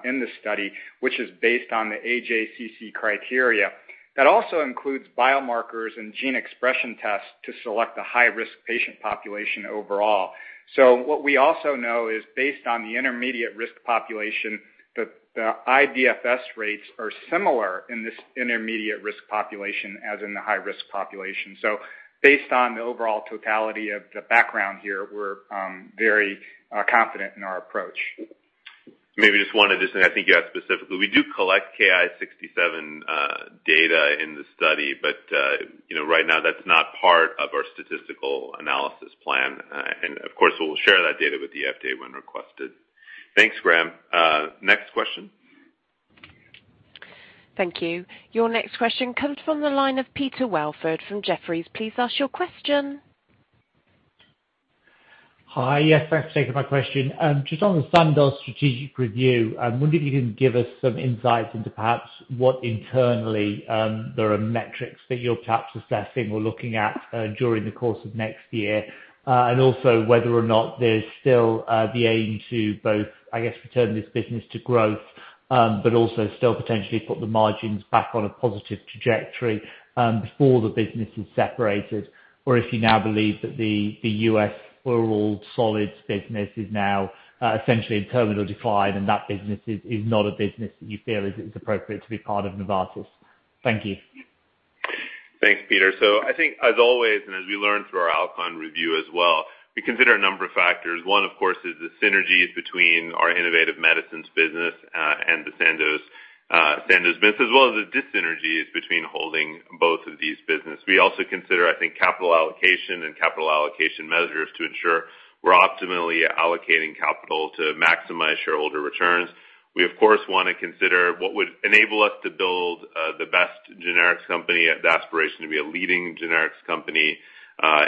in this study, which is based on the AJCC criteria. That also includes biomarkers and gene expression tests to select the high-risk patient population overall. What we also know is based on the intermediate risk population, the iDFS rates are similar in this intermediate risk population as in the high-risk population. Based on the overall totality of the background here, we're very confident in our approach. Maybe just one addition. I think you asked specifically. We do collect Ki-67 data in the study, but you know, right now that's not part of our statistical analysis plan. Of course, we'll share that data with the FDA when requested. Thanks, Graham. Next question. Thank you. Your next question comes from the line of Peter Welford from Jefferies. Please ask your question. Hi. Yes, thanks for taking my question. Just on the Sandoz strategic review, I wonder if you can give us some insights into perhaps what internally there are metrics that you're perhaps assessing or looking at during the course of next year. Whether or not there's still the aim to both, I guess, return this business to growth. Also still potentially put the margins back on a positive trajectory before the business is separated. Or if you now believe that the U.S. oral solids business is now essentially in terminal decline, and that business is not a business that you feel is appropriate to be part of Novartis. Thank you. Thanks, Peter. I think as always and as we learned through our Alcon review as well, we consider a number of factors. One, of course, is the synergies between our Innovative Medicines business and the Sandoz business, as well as the dis-synergies between holding both of these businesses. We also consider capital allocation and capital allocation measures to ensure we're optimally allocating capital to maximize shareholder returns. We of course wanna consider what would enable us to build the best generics company at the aspiration to be a leading generics company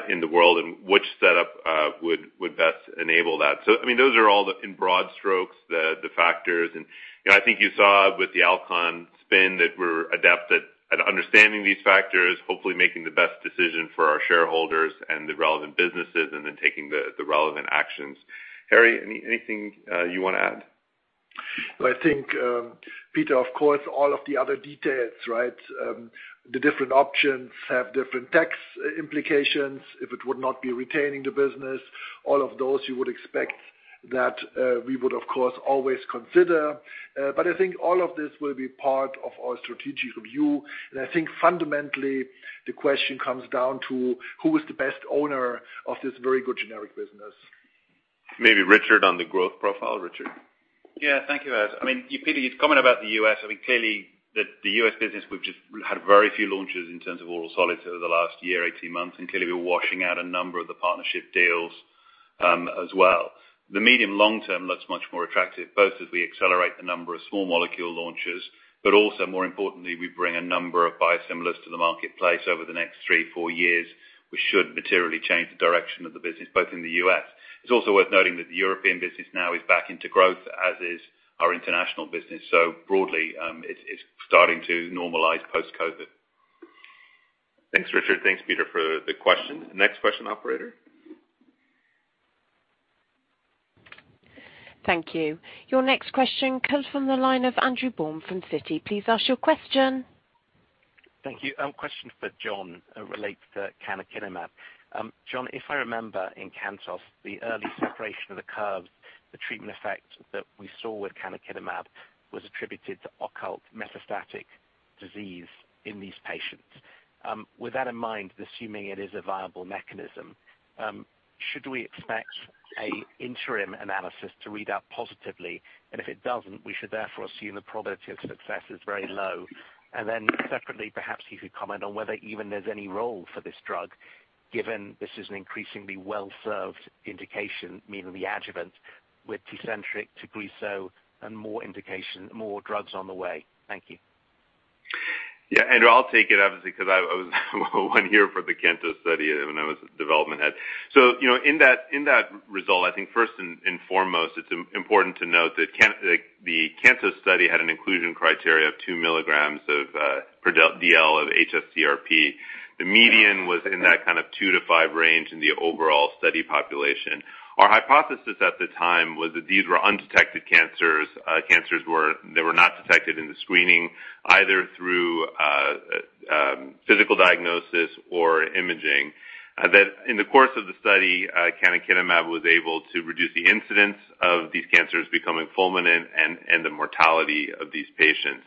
in the world, and which setup would best enable that. I mean, those are all in broad strokes, the factors. You know, I think you saw with the Alcon spin that we're adept at understanding these factors, hopefully making the best decision for our shareholders and the relevant businesses, and then taking the relevant actions. Harry, anything you wanna add? Well, I think, Peter, of course, all of the other details, right? The different options have different tax implications. If it would not be retaining the business, all of those you would expect that we would, of course, always consider. But I think all of this will be part of our strategic review. I think fundamentally, the question comes down to who is the best owner of this very good generic business. Maybe Richard on the growth profile. Richard? Yeah. Thank you, Vas. I mean, Peter, you comment about the U.S., I mean, clearly the U.S. business, we've just had very few launches in terms of oral solids over the last year, 18 months. Clearly, we're washing out a number of the partnership deals, as well. The medium long-term looks much more attractive, both as we accelerate the number of small molecule launches, but also more importantly, we bring a number of biosimilars to the marketplace over the next three to four years, which should materially change the direction of the business, both in the U.S. It's also worth noting that the European business now is back into growth, as is our international business. Broadly, it's starting to normalize post-COVID. Thanks, Richard. Thanks, Peter, for the question. Next question, operator. Thank you. Your next question comes from the line of Andrew Baum from Citi. Please ask your question. Thank you. A question for John relates to canakinumab. John, if I remember in CANTOS, the early separation of the curves, the treatment effect that we saw with canakinumab was attributed to occult metastatic disease in these patients. With that in mind, assuming it is a viable mechanism, should we expect an interim analysis to read out positively? If it doesn't, we should therefore assume the probability of success is very low. Separately, perhaps you could comment on whether even there's any role for this drug, given this is an increasingly well-served indication, meaning the adjuvant with Tecentriq, Tagrisso, and more indication, more drugs on the way. Thank you. Yeah, Andrew, I'll take it obviously, 'cause I was one year for the CANTOS study when I was development head. You know, in that result, I think first and foremost, it's important to note that the CANTOS study had an inclusion criteria of 2 mg/dL of hsCRP. The median was in that kind of 2-5 range in the overall study population. Our hypothesis at the time was that these were undetected cancers, they were not detected in the screening, either through physical diagnosis or imaging. That in the course of the study, canakinumab was able to reduce the incidence of these cancers becoming fulminant and the mortality of these patients.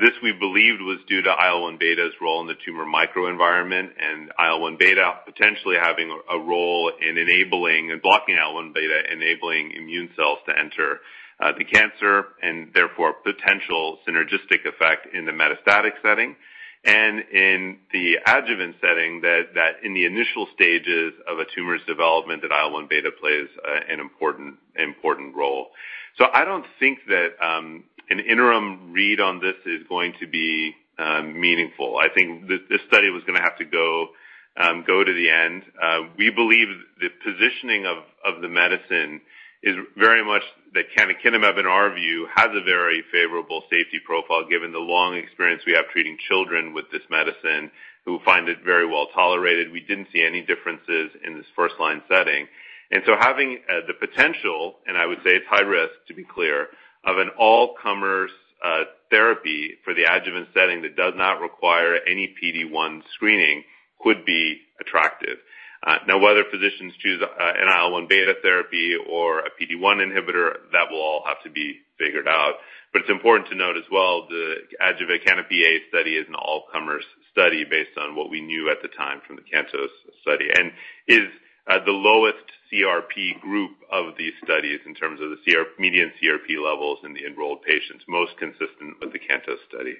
This we believed was due to IL-1β's role in the tumor microenvironment, and IL-1β potentially having a role in enabling and blocking IL-1β, enabling immune cells to enter the cancer and therefore potential synergistic effect in the metastatic setting. In the adjuvant setting that in the initial stages of a tumor's development, that IL-1β plays an important role. I don't think that an interim read on this is going to be meaningful. I think this study was gonna have to go to the end. We believe the positioning of the medicine is very much that canakinumab, in our view, has a very favorable safety profile given the long experience we have treating children with this medicine who find it very well tolerated. We didn't see any differences in this first line setting. Having the potential, and I would say it's high risk to be clear, of an all-comers therapy for the adjuvant setting that does not require any PD-1 screening could be attractive. Now, whether physicians choose an IL-1β therapy or a PD-1 inhibitor, that will all have to be figured out. It's important to note as well the adjuvant CANOPY-A study is an all-comers study based on what we knew at the time from the CANTOS study and is the lowest CRP group of these studies in terms of the median CRP levels in the enrolled patients, most consistent with the CANTOS study.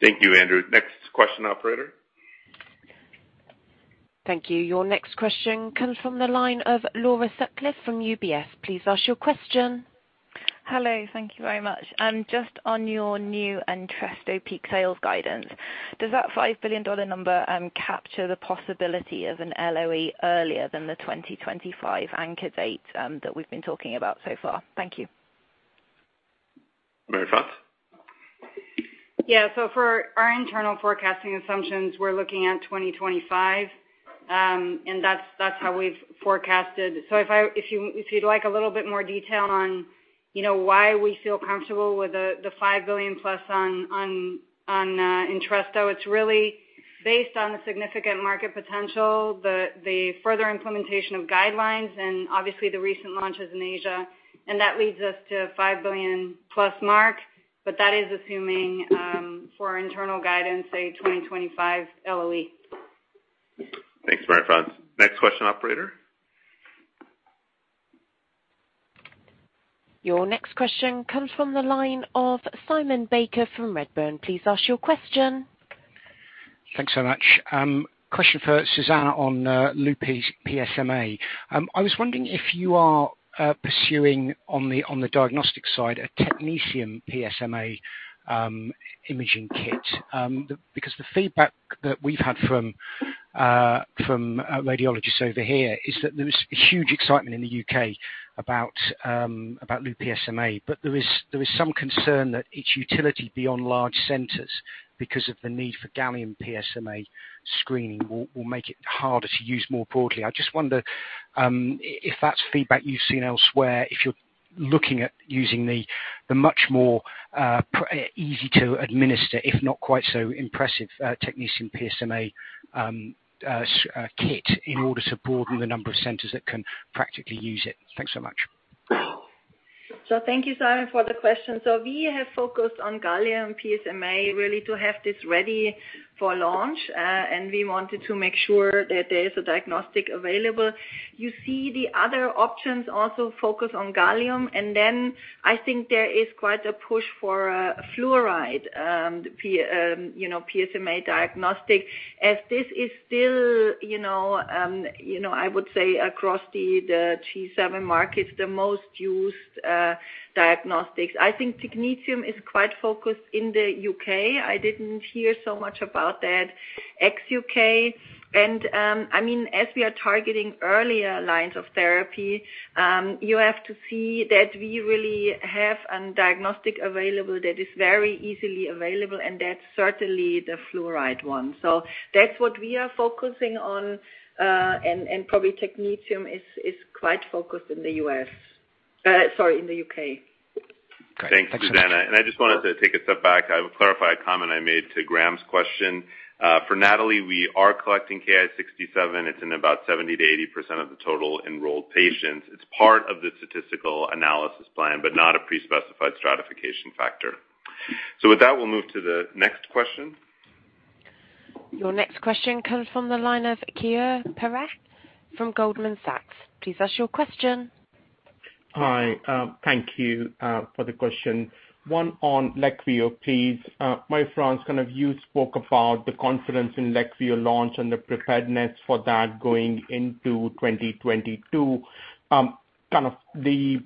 Thank you, Andrew. Next question, operator. Thank you. Your next question comes from the line of Laura Sutcliffe from UBS. Please ask your question. Hello. Thank you very much. Just on your new Entresto peak sales guidance, does that $5 billion number capture the possibility of an LOE earlier than the 2025 anchor date that we've been talking about so far? Thank you. Marie-France? For our internal forecasting assumptions, we're looking at 2025. That's how we've forecasted. If you'd like a little bit more detail on, you know, why we feel comfortable with the $5 billion-plus on Entresto, it's really based on the significant market potential, the further implementation of guidelines and obviously the recent launches in Asia. That leads us to $5 billion-plus mark. That is assuming, for our internal guidance, say 2025 LOE. Thanks, Marie-France. Next question, operator. Your next question comes from the line of Simon Baker from Redburn. Please ask your question. Thanks so much. Question for Susanne on Lu-PSMA. I was wondering if you are pursuing on the diagnostic side a technetium PSMA imaging kit. Because the feedback that we've had from radiologists over here is that there is huge excitement in the U.K. about Lu-PSMA. But there is some concern that its utility beyond large centers because of the need for Gallium PSMA screening will make it harder to use more broadly. I just wonder if that's feedback you've seen elsewhere, if you're looking at using the much more easy to administer, if not quite so impressive, technetium PSMA kit in order to broaden the number of centers that can practically use it. Thanks so much. Thank you, Simon, for the question. We have focused on Gallium PSMA really to have this ready for launch, and we wanted to make sure that there is a diagnostic available. You see the other options also focus on Gallium, and then I think there is quite a push for fluoride PET PSMA diagnostic as this is still, you know, I would say across the G7 markets, the most used diagnostics. I think technetium is quite focused in the U.K. I didn't hear so much about that ex-U.K. I mean, as we are targeting earlier lines of therapy, you have to see that we really have a diagnostic available that is very easily available, and that's certainly the fluoride one. That's what we are focusing on, and probably technetium is quite focused in the U.S. Sorry, in the U.K. Great. Excellent. Thanks, Susanne. I just wanted to take a step back. I will clarify a comment I made to Graham's question. For NATALEE, we are collecting Ki-67. It's in about 70%-80% of the total enrolled patients. It's part of the statistical analysis plan, but not a pre-specified stratification factor. With that, we'll move to the next question. Your next question comes from the line of Keyur Parekh from Goldman Sachs. Please ask your question. Hi. Thank you for the question. One on Leqvio, please. Marie-France, you spoke about the confidence in Leqvio launch and the preparedness for that going into 2022. The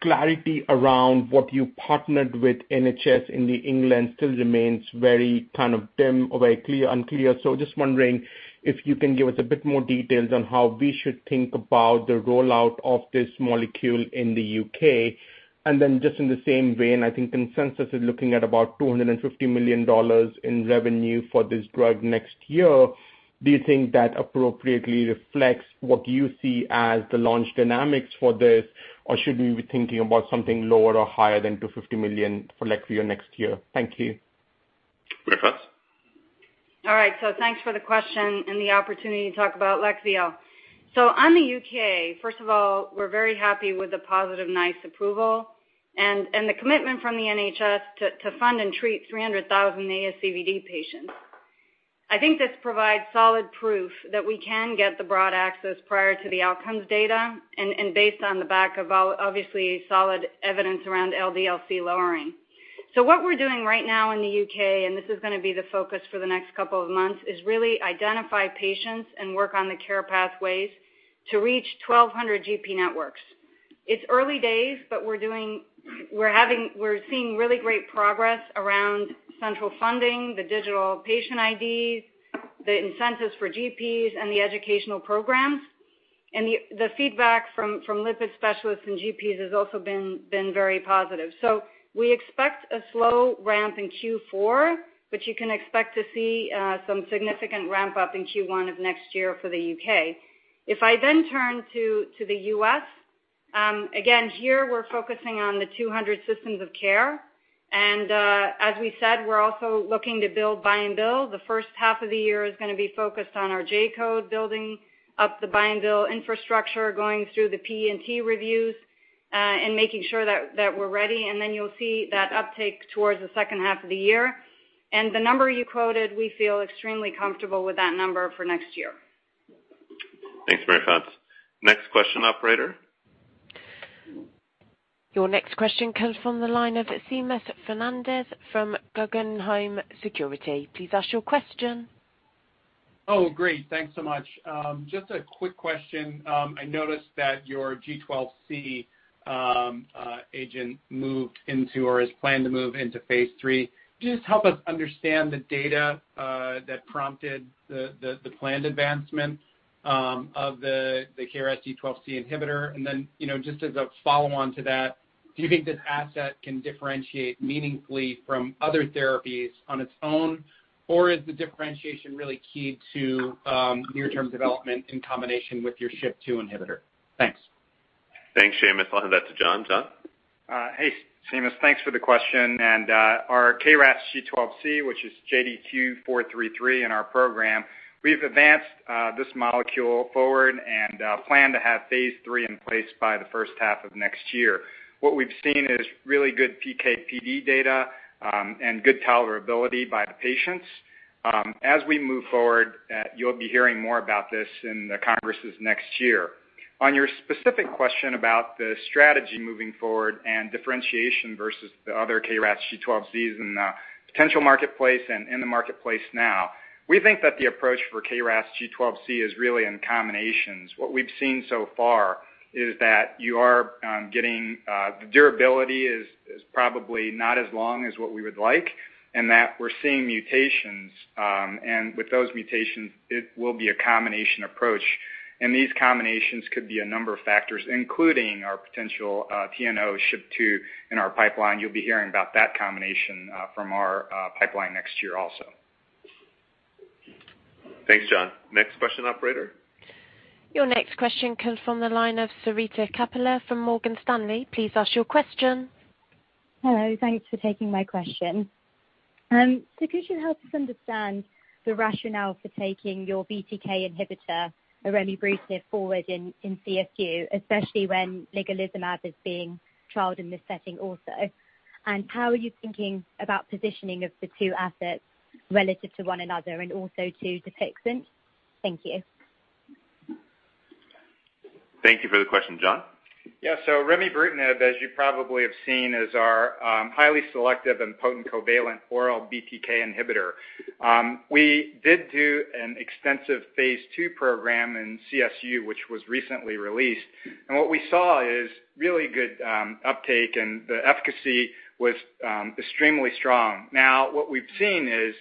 clarity around what you partnered with NHS England still remains very unclear. Just wondering if you can give us a bit more details on how we should think about the rollout of this molecule in the U.K. Then just in the same vein, I think consensus is looking at about $250 million in revenue for this drug next year. Do you think that appropriately reflects what you see as the launch dynamics for this? Or should we be thinking about something lower or higher than $250 million for Leqvio next year? Thank you. Marie-France? All right. Thanks for the question and the opportunity to talk about Leqvio. On the U.K., first of all, we're very happy with the positive NICE approval and the commitment from the NHS to fund and treat 300,000 ASCVD patients. I think this provides solid proof that we can get the broad access prior to the outcomes data and based on the back of obviously solid evidence around LDL-C lowering. What we're doing right now in the U.K., and this is gonna be the focus for the next couple of months, is really identify patients and work on the care pathways to reach 1,200 GP networks. It's early days, but we're seeing really great progress around central funding, the digital patient IDs, the incentives for GPs and the educational programs. The feedback from lipid specialists and GPs has also been very positive. We expect a slow ramp in Q4, but you can expect to see some significant ramp up in Q1 of next year for the U.K. If I then turn to the U.S., again, here we're focusing on the 200 systems of care. As we said, we're also looking to build buy and bill. The first half of the year is gonna be focused on our J-code, building up the buy and bill infrastructure, going through the P&T reviews, and making sure that we're ready. Then you'll see that uptake towards the second half of the year. The number you quoted, we feel extremely comfortable with that number for next year. Thanks, Marie-France. Next question, operator. Your next question comes from the line of Seamus Fernandez from Guggenheim Securities. Please ask your question. Oh, great. Thanks so much. Just a quick question. I noticed that your G12C agent moved into or is planned to move into phase III. Can you just help us understand the data that prompted the planned advancement of the KRAS G12C inhibitor? And then, you know, just as a follow-on to that. Do you think this asset can differentiate meaningfully from other therapies on its own? Or is the differentiation really key to near-term development in combination with your SHP2 inhibitor? Thanks. Thanks, Seamus. I'll hand that to John. John? Hey, Seamus, thanks for the question. Our KRAS G12C, which is JDQ443 in our program, we've advanced this molecule forward and plan to have phase III in place by the first half of next year. What we've seen is really good PK/PD data and good tolerability by the patients. As we move forward, you'll be hearing more about this in the congresses next year. On your specific question about the strategy moving forward and differentiation versus the other KRAS G12Cs in the potential marketplace and in the marketplace now, we think that the approach for KRAS G12C is really in combinations. What we've seen so far is that you are getting the durability is probably not as long as what we would like, and that we're seeing mutations. With those mutations, it will be a combination approach. These combinations could be a number of factors, including our potential TNO155 in our pipeline. You'll be hearing about that combination from our pipeline next year also. Thanks, John. Next question, operator. Your next question comes from the line of Sarita Kapila from Morgan Stanley. Please ask your question. Hello. Thanks for taking my question. Could you help us understand the rationale for taking your BTK inhibitor, remibrutinib, forward in CSU, especially when ligelizumab is being trialed in this setting also? And how are you thinking about positioning of the two assets relative to one another and also to the Dupixent? Thank you. Thank you for the question. John? Yeah. Remibrutinib, as you probably have seen, is our highly selective and potent covalent oral BTK inhibitor. We did do an extensive phase II program in CSU, which was recently released. What we saw is really good uptake, and the efficacy was extremely strong. Now, what we've seen is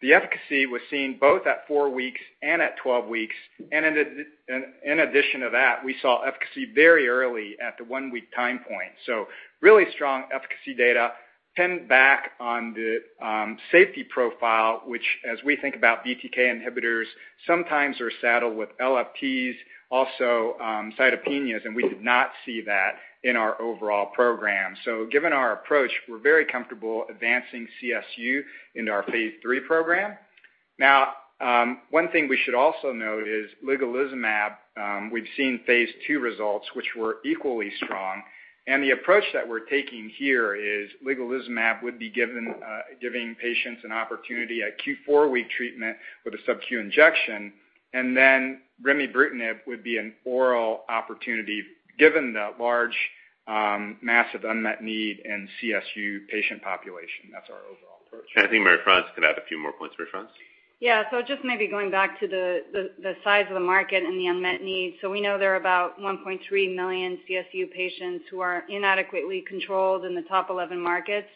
the efficacy was seen both at four weeks and at 12 weeks, and in addition to that, we saw efficacy very early at the one-week time point. Really strong efficacy data backed by the safety profile, which, as we think about BTK inhibitors, sometimes are saddled with LFTs, also cytopenias, and we did not see that in our overall program. Given our approach, we're very comfortable advancing CSU into our phase III program. Now, one thing we should also note is ligelizumab, we've seen phase II results, which were equally strong. The approach that we're taking here is ligelizumab would be given, giving patients an opportunity, a Q4W treatment with a subQ injection, and then remibrutinib would be an oral opportunity, given the large, massive unmet need in CSU patient population. That's our overall approach. I think Marie-France could add a few more points. Marie-France? Yeah. Just maybe going back to the size of the market and the unmet needs. We know there are about 1.3 million CSU patients who are inadequately controlled in the top 11 markets.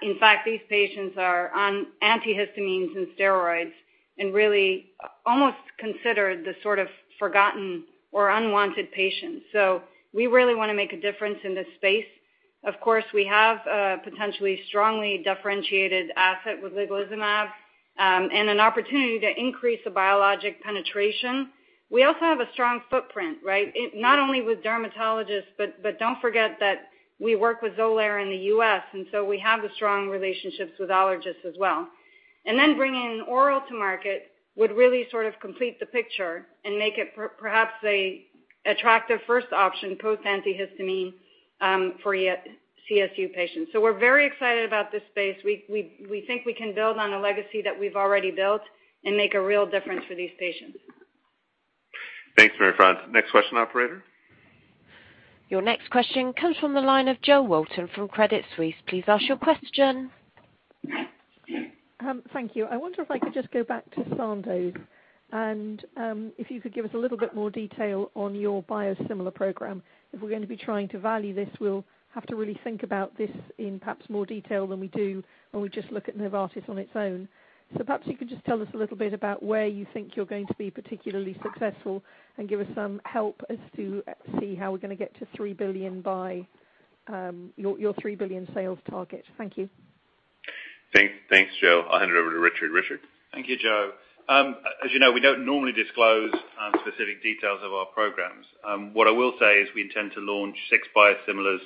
In fact, these patients are on antihistamines and steroids and really almost considered the sort of forgotten or unwanted patients. We really wanna make a difference in this space. Of course, we have a potentially strongly differentiated asset with ligelizumab, and an opportunity to increase the biologic penetration. We also have a strong footprint, right? Not only with dermatologists, but don't forget that we work with Xolair in the U.S., and so we have the strong relationships with allergists as well. Bringing oral to market would really sort of complete the picture and make it perhaps an attractive first option, post antihistamine, for CSU patients. We're very excited about this space. We think we can build on a legacy that we've already built and make a real difference for these patients. Thanks, Marie-France. Next question, operator. Your next question comes from the line of Jo Walton from Credit Suisse. Please ask your question. Thank you. I wonder if I could just go back to Sandoz and, if you could give us a little bit more detail on your biosimilar program. If we're going to be trying to value this, we'll have to really think about this in perhaps more detail than we do when we just look at Novartis on its own. Perhaps you could just tell us a little bit about where you think you're going to be particularly successful and give us some help as to see how we're gonna get to $3 billion by your $3 billion sales target. Thank you. Thanks, Jo. I'll hand it over to Richard. Richard? Thank you, Jo. As you know, we don't normally disclose specific details of our programs. What I will say is we intend to launch six biosimilars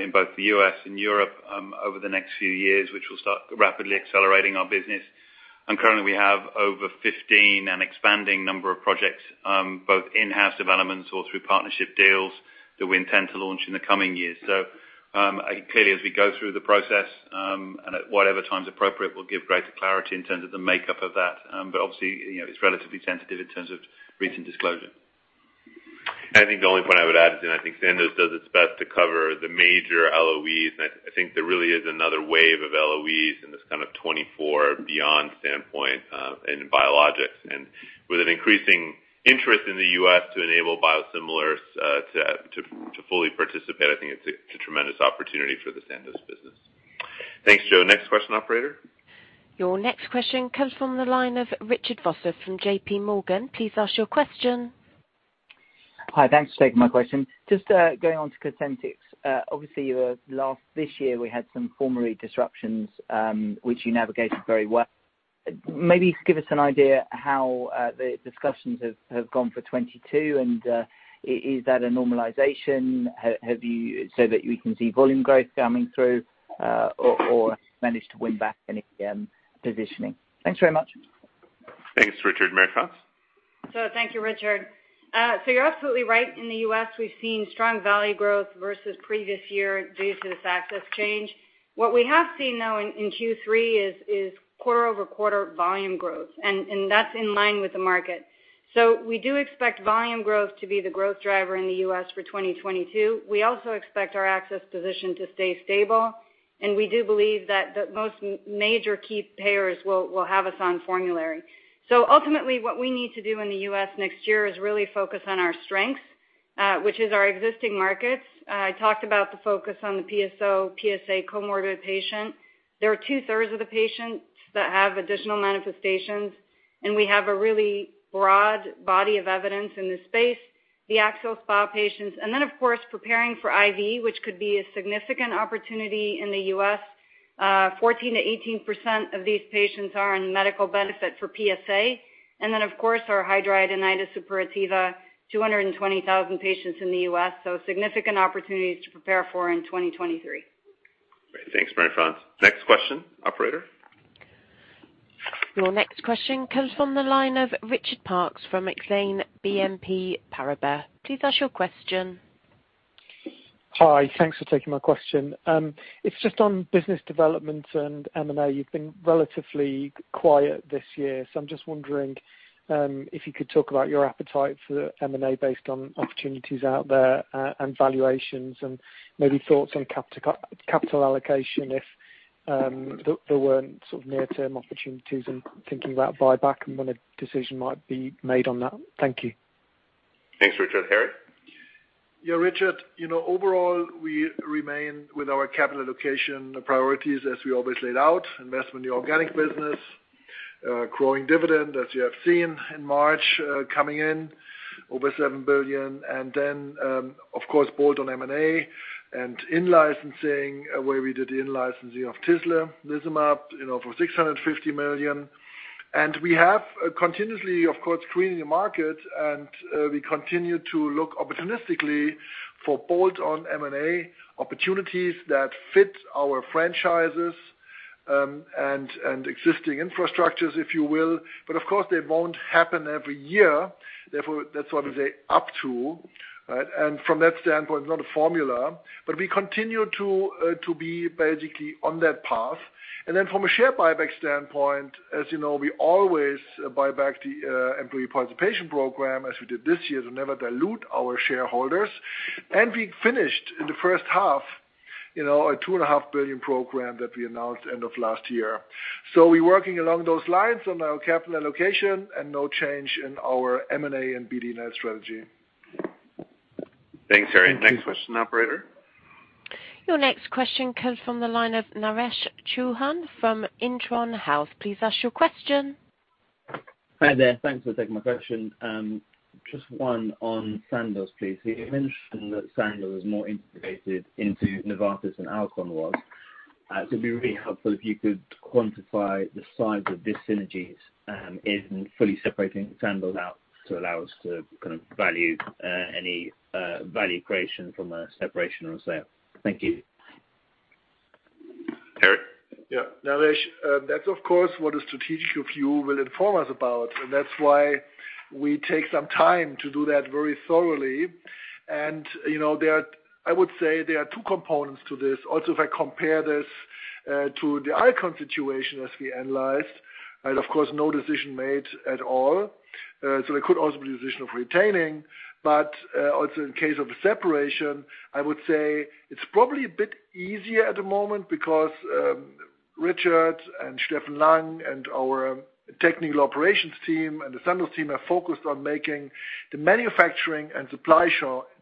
in both the U.S. and Europe over the next few years, which will start rapidly accelerating our business. Currently, we have over 15 and expanding number of projects both in-house developments or through partnership deals that we intend to launch in the coming years. Clearly, as we go through the process and at whatever time is appropriate, we'll give greater clarity in terms of the makeup of that. Obviously, you know, it's relatively sensitive in terms of recent disclosure. I think the only point I would add is that I think Sandoz does its best to cover the major LOEs. I think there really is another wave of LOEs in this kind of 2024 beyond standpoint, in biologics. With an increasing interest in the U.S. to enable biosimilars to fully participate, I think it's a tremendous opportunity for the Sandoz business. Thanks, Joe. Next question, operator. Your next question comes from the line of Richard Vosser from JPMorgan. Please ask your question. Hi, thanks for taking my question. Just going on to Cosentyx. Obviously, you were last year, we had some formulary disruptions, which you navigated very well. Maybe give us an idea how the discussions have gone for 2022 and is that a normalization? Have you said that we can see volume growth coming through or managed to win back any positioning? Thanks very much. Thanks, Richard. Marie-France? Thank you, Richard. You're absolutely right. In the U.S., we've seen strong value growth versus previous year due to this access change. What we have seen, though, in Q3 is quarter-over-quarter volume growth, and that's in line with the market. We do expect volume growth to be the growth driver in the U.S. for 2022. We also expect our access position to stay stable, and we do believe that the most major key payers will have us on formulary. Ultimately, what we need to do in the U.S. next year is really focus on our strengths, which is our existing markets. I talked about the focus on the PSO, PSA comorbid patient. There are 2/3 of the patients that have additional manifestations, and we have a really broad body of evidence in this space, the axial SpA patients. [inaudible] Preparing for IV, which could be a significant opportunity in the U.S. 14%-18% of these patients are in medical benefit for PSA. Our Hidradenitis Suppurativa, 220,000 patients in the U.S., so significant opportunities to prepare for in 2023. Great. Thanks, Marie-France. Next question, operator. Your next question comes from the line of Richard Parkes from Exane BNP Paribas. Please ask your question. Hi. Thanks for taking my question. It's just on business development and M&A. You've been relatively quiet this year, so I'm just wondering if you could talk about your appetite for M&A based on opportunities out there, and valuations and maybe thoughts on capital allocation if there weren't sort of near-term opportunities and thinking about buyback and when a decision might be made on that. Thank you. Thanks, Richard. Harry? Yeah, Richard, you know, overall, we remain with our capital allocation priorities as we always laid out, invest in the organic business, growing dividend, as you have seen in March, coming in over $7 billion. Of course, bolt-on M&A and in-licensing, where we did the in-licensing of tislelizumab, you know, for $650 million. We have continuously, of course, screening the market, and we continue to look opportunistically for bolt-on M&A opportunities that fit our franchises, and existing infrastructures, if you will. Of course, they won't happen every year. Therefore, that's why we say up to, right? From that standpoint, it's not a formula. We continue to be basically on that path. From a share buyback standpoint, as you know, we always buy back the employee participation program as we did this year to never dilute our shareholders. We finished in the first half, you know, a $2.5 billion program that we announced end of last year. We're working along those lines on our capital allocation and no change in our M&A and BD net strategy. Thanks, Harry. Next question, operator. Your next question comes from the line of Naresh Chouhan from Intron Health. Please ask your question. Hi there. Thanks for taking my question. Just one on Sandoz, please. You mentioned that Sandoz is more integrated into Novartis than Alcon was. It'd be really helpful if you could quantify the size of these synergies, in fully separating Sandoz out to allow us to kind of value, any, value creation from a separation or sale. Thank you. Harry? Yeah. Naresh, that's of course what a strategic review will inform us about, and that's why we take some time to do that very thoroughly. You know, there are—I would say there are two components to this. If I compare this to the Alcon situation as we analyzed, and of course, no decision made at all. There could also be a decision of retaining. Also in case of a separation, I would say it's probably a bit easier at the moment because Richard and Steffen Lang and our technical operations team and the Sandoz team are focused on making the manufacturing and supply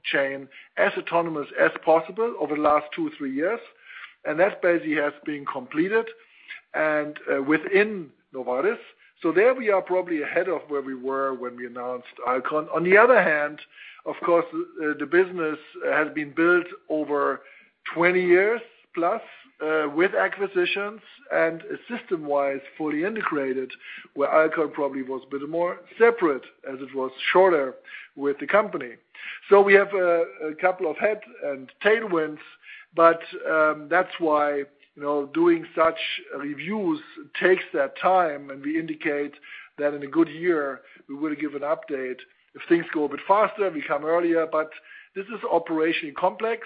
chain as autonomous as possible over the last two, three years. That basically has been completed within Novartis. There we are probably ahead of where we were when we announced Alcon. On the other hand, of course, the business has been built over 20 years plus with acquisitions and system-wise fully integrated, where Alcon probably was a bit more separate as it was shorter with the company. We have a couple of head and tailwinds, but that's why, you know, doing such reviews takes that time, and we indicate that in a good year, we will give an update. If things go a bit faster, we come earlier. This is operationally complex.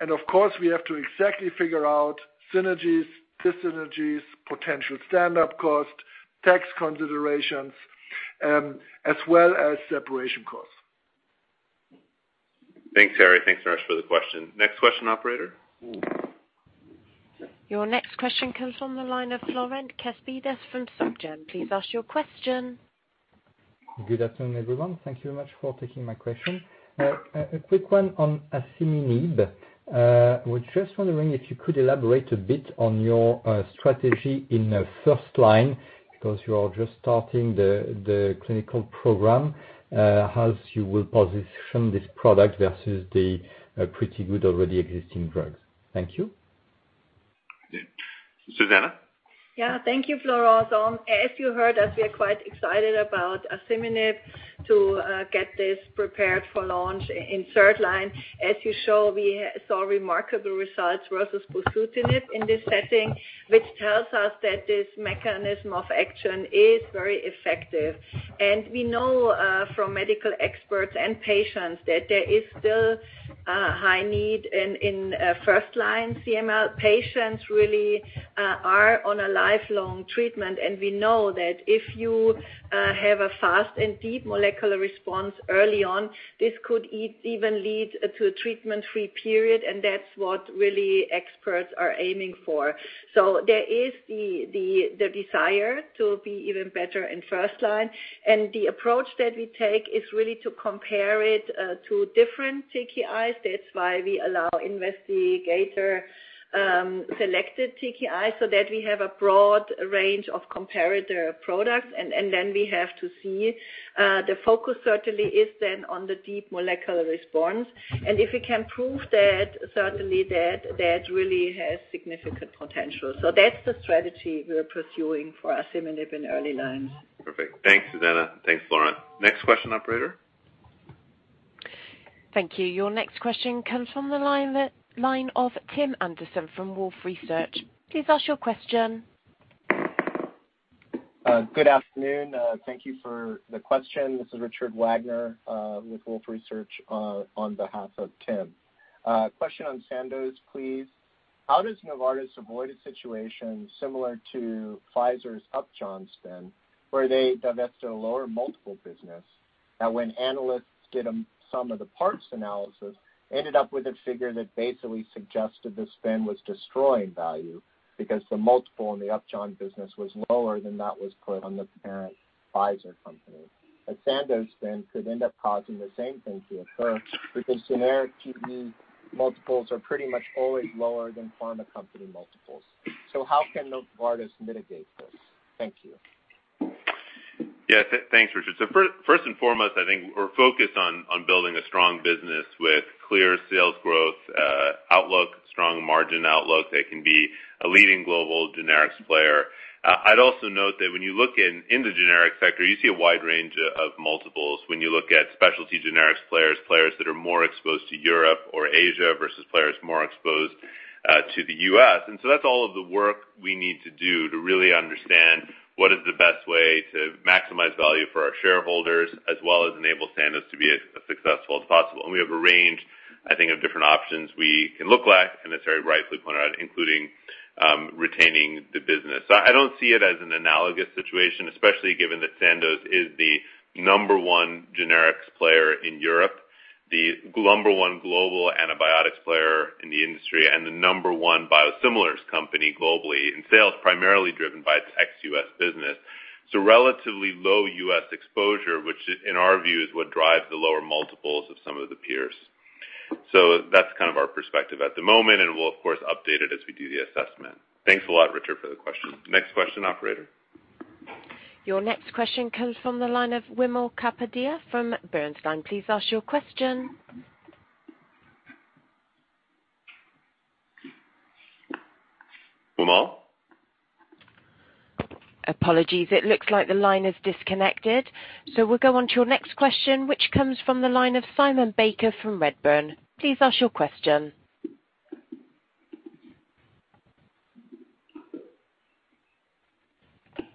Of course, we have to exactly figure out synergies, dis-synergies, potential stand-up costs, tax considerations, as well as separation costs. Thanks, Harry. Thanks, Naresh, for the question. Next question, operator. Your next question comes from the line of Florent Cespedes from Société Générale. Please ask your question. Good afternoon, everyone. Thank you much for taking my question. A quick one on asciminib. Was just wondering if you could elaborate a bit on your strategy in the first line because you are just starting the clinical program, how you will position this product versus the pretty good already existing drugs. Thank you. Susanne? Yeah. Thank you, Florent. As you heard us, we are quite excited about asciminib to get this prepared for launch in third-line. As you saw, we saw remarkable results versus bosutinib in this setting, which tells us that this mechanism of action is very effective. We know from medical experts and patients that there is still high need in first-line CML patients really are on a lifelong treatment. We know that if you have a fast and deep molecular response early on, this could even lead to a treatment-free period, and that's what really experts are aiming for. There is the desire to be even better in first line. The approach that we take is really to compare it to different TKIs. That's why we allow investigator-selected TKIs so that we have a broad range of comparator products. We have to see. The focus certainly is then on the deep molecular response. If we can prove that, certainly that really has significant potential. That's the strategy we're pursuing for asciminib in early lines. Perfect. Thanks, Susanna. Thanks, Florent. Next question, operator. Thank you. Your next question comes from the line of Tim Anderson from Wolfe Research. Please ask your question. Good afternoon. Thank you for the question. This is [Richard Wagner with Wolfe Research on behalf of Tim. Question on Sandoz, please. How does Novartis avoid a situation similar to Pfizer's Upjohn spin where they divested a lower multiple business, that when analysts did a sum of the parts analysis, ended up with a figure that basically suggested the spin was destroying value because the multiple in the Upjohn business was lower than that was put on the parent Pfizer company. A Sandoz spin could end up causing the same thing to occur because generic drug multiples are pretty much always lower than pharma company multiples. How can Novartis mitigate this? Thank you. Thanks, Richard. First and foremost, I think we're focused on building a strong business with clear sales growth outlook, strong margin outlook that can be a leading global generics player. I'd also note that when you look in the generic sector, you see a wide range of multiples when you look at specialty generics players that are more exposed to Europe or Asia versus players more exposed to the US. That's all of the work we need to do to really understand what is the best way to maximize value for our shareholders as well as enable Sandoz to be as successful as possible. We have a range, I think, of different options we can look at, and as Harry rightfully pointed out, including retaining the business. I don't see it as an analogous situation, especially given that Sandoz is the number one generics player in Europe, the number one global antibiotics player in the industry, and the number one biosimilars company globally in sales, primarily driven by its ex-U.S. business. Relatively low U.S. exposure, which in our view, is what drives the lower multiples of some of the peers. That's kind of our perspective at the moment, and we'll of course update it as we do the assessment. Thanks a lot, Richard, for the question. Next question, operator. Your next question comes from the line of Wimal Kapadia from Bernstein. Please ask your question. Wimal? Apologies. It looks like the line is disconnected. We'll go on to your next question, which comes from the line of Simon Baker from Redburn. Please ask your question.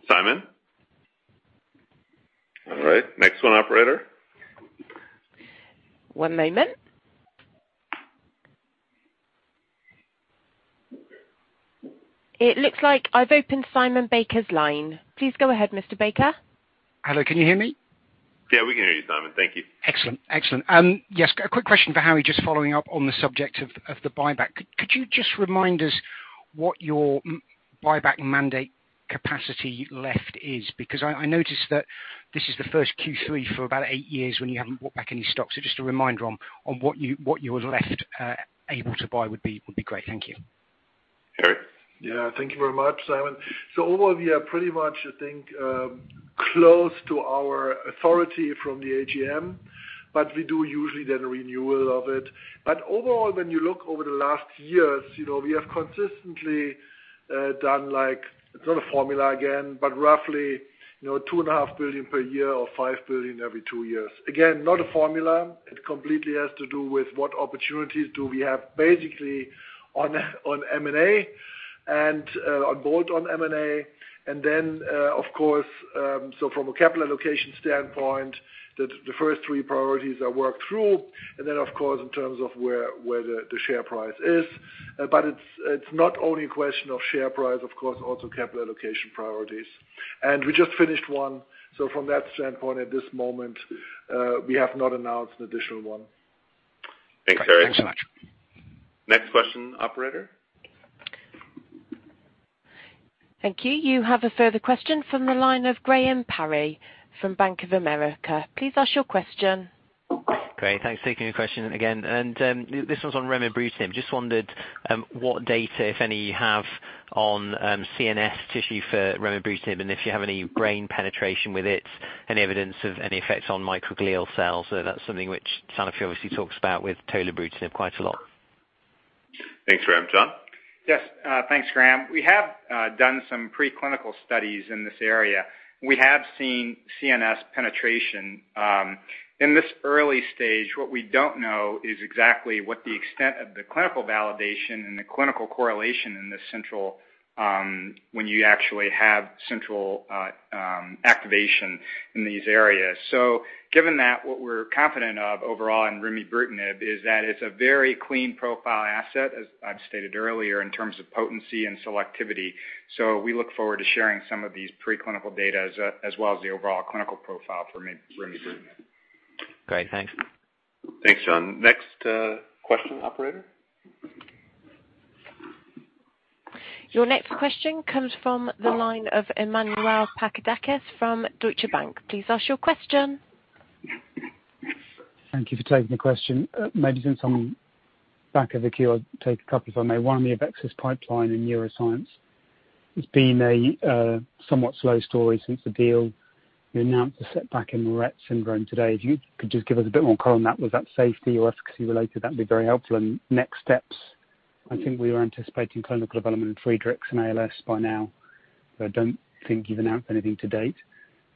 Simon? All right. Next one, operator. One moment. It looks like I've opened Simon Baker's line. Please go ahead, Mr. Baker. Hello, can you hear me? Yeah, we can hear you, Simon. Thank you. Excellent. Yes, a quick question for Harry, just following up on the subject of the buyback. Could you just remind us what your remaining buyback mandate capacity left is? Because I noticed that this is the first Q3 in about eight years when you haven't bought back any stock. Just a reminder on what you're left able to buy would be great. Thank you. Harry? Yeah. Thank you very much, Simon. Overall, we are pretty much, I think, close to our authority from the AGM, but we do usually then a renewal of it. Overall, when you look over the last years, you know, we have consistently done like, it's not a formula again, but roughly, you know, $2.5 billion per year or $5 billion every two years. Again, not a formula. It completely has to do with what opportunities do we have basically on M&A and on both on M&A. Then, of course, from a capital allocation standpoint, the first three priorities are worked through. Then, of course, in terms of where the share price is. It's not only a question of share price, of course, also capital allocation priorities. We just finished one. From that standpoint, at this moment, we have not announced an additional one. Thanks so much. Next question, operator. Thank you. You have a further question from the line of Graham Parry from Bank of America. Please ask your question. Great. Thanks for taking the question again. This one's on remibrutinib. Just wondered what data, if any, you have on CNS tissue for remibrutinib, and if you have any brain penetration with it, any evidence of any effects on microglial cells. That's something which Sanofi obviously talks about with tolebrutinib quite a lot. Thanks, Graham. John? Yes. Thanks, Graham. We have done some preclinical studies in this area. We have seen CNS penetration. In this early stage, what we don't know is exactly what the extent of the clinical validation and the clinical correlation in the central when you actually have central activation in these areas. Given that, what we're confident of overall in remibrutinib is that it's a very clean profile asset, as I've stated earlier, in terms of potency and selectivity. We look forward to sharing some of these preclinical data as well as the overall clinical profile for remibrutinib. Great. Thanks. Thanks, John. Next, question, operator. Your next question comes from the line of Emmanuel Papadakis from Deutsche Bank. Please ask your question. Thank you for taking the question. Maybe since I'm back of the queue, I'll take a couple if I may. One, the AveXis pipeline in neuroscience. It's been a somewhat slow story since the deal. You announced a setback in Rett syndrome today. If you could just give us a bit more color on that. Was that safety or efficacy-related? That'd be very helpful. Next steps, I think we were anticipating clinical development in Friedreich's and ALS by now, but I don't think you've announced anything to date.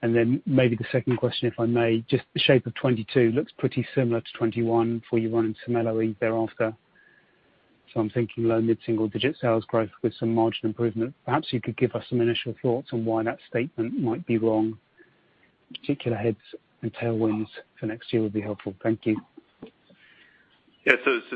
Then maybe the second question, if I may, just the shape of 2022 looks pretty similar to 2021 before you run into LOE thereafter. I'm thinking low- to mid-single-digit sales growth with some margin improvement. Perhaps you could give us some initial thoughts on why that statement might be wrong. Particular headwinds and tailwinds for next year would be helpful. Thank you.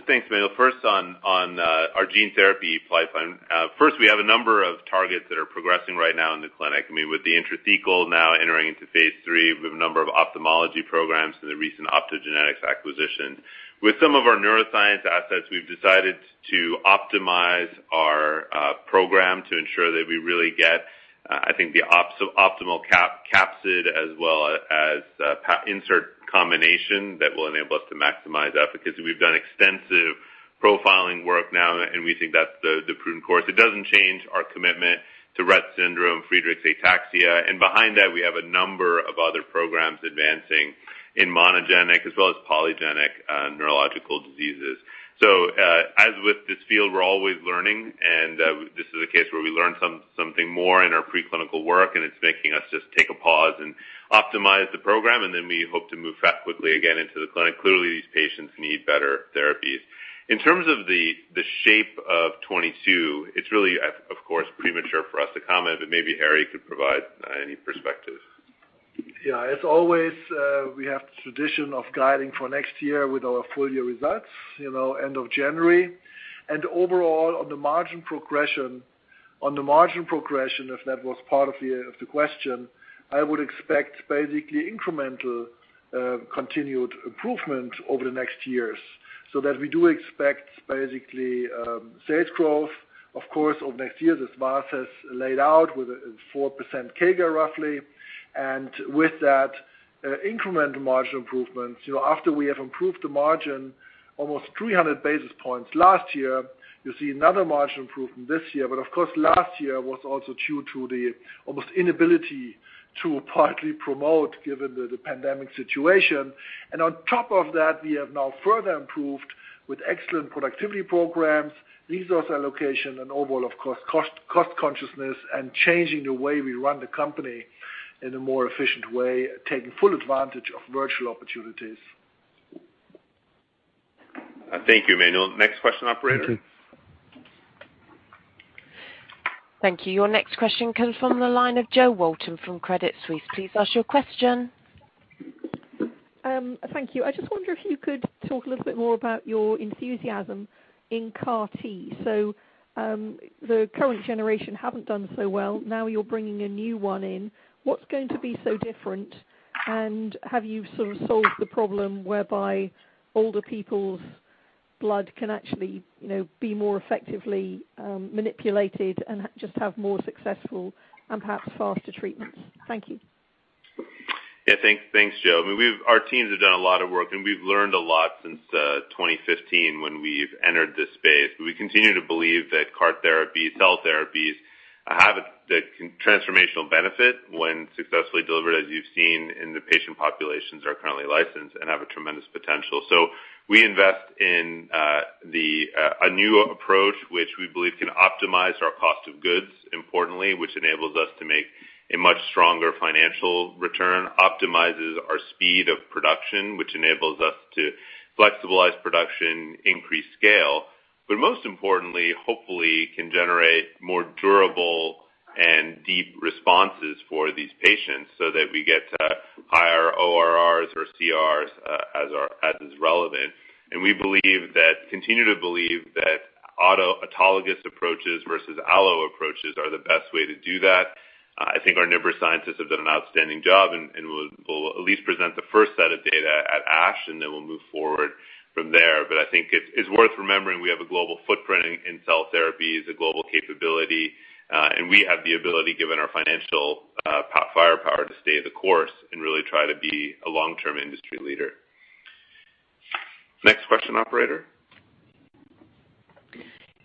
Thanks, Emmanuel. First on our gene therapy pipeline. First, we have a number of targets that are progressing right now in the clinic. I mean, with the intrathecal now entering into phase III, we have a number of ophthalmology programs in the recent optogenetics acquisition. With some of our neuroscience assets, we've decided to optimize our program to ensure that we really get, I think, the optimal capsid as well as payload insert combination that will enable us to maximize efficacy. We've done extensive profiling work now, and we think that's the prudent course. It doesn't change our commitment to Rett syndrome, Friedreich's ataxia. Behind that, we have a number of other programs advancing in monogenic as well as polygenic neurological diseases. As with this field, we're always learning, and this is a case where we learn something more in our preclinical work, and it's making us just take a pause and optimize the program, and then we hope to move quickly again into the clinic. Clearly, these patients need better therapies. In terms of the shape of 2022, it's really, of course, premature for us to comment, but maybe Harry could provide any perspective. Yeah. As always, we have tradition of guiding for next year with our full year results, you know, end of January. Overall, on the margin progression, if that was part of the question, I would expect basically incremental continued improvement over the next years, so that we do expect basically sales growth, of course, over next year, as Vas has laid out with a 4% CAGR, roughly. With that, incremental margin improvements, you know, after we have improved the margin almost 300 basis points last year, you see another margin improvement this year. Of course, last year was also due to the almost inability to partly promote given the pandemic situation. On top of that, we have now further improved with excellent productivity programs, resource allocation, and overall, of course, cost consciousness and changing the way we run the company in a more efficient way, taking full advantage of virtual opportunities. Thank you, Emmanuel. Next question, operator. Thank you. Thank you. Your next question comes from the line of Jo Walton from Credit Suisse. Please ask your question. Thank you. I just wonder if you could talk a little bit more about your enthusiasm in CAR-T. The current generation haven't done so well. Now you're bringing a new one in. What's going to be so different? And have you sort of solved the problem whereby older people's blood can actually, you know, be more effectively manipulated and just have more successful and perhaps faster treatments? Thank you. Yeah. Thanks, Jo. I mean, our teams have done a lot of work, and we've learned a lot since 2015 when we entered this space. We continue to believe that CAR therapy, cell therapies have the transformational benefit when successfully delivered, as you've seen in the patient populations that are currently licensed and have a tremendous potential. We invest in a new approach which we believe can optimize our cost of goods, importantly, which enables us to make a much stronger financial return, optimizes our speed of production, which enables us to flexibilize production, increase scale, but most importantly, hopefully can generate more durable and deep responses for these patients so that we get higher ORRs or CRs, as is relevant. We believe that we continue to believe that autologous approaches versus allo approaches are the best way to do that. I think our NIBR scientists have done an outstanding job, and we'll at least present the first set of data at ASH, and then we'll move forward from there. I think it's worth remembering we have a global footprint in cell therapies, a global capability, and we have the ability, given our financial firepower to stay the course and really try to be a long-term industry leader. Next question, operator.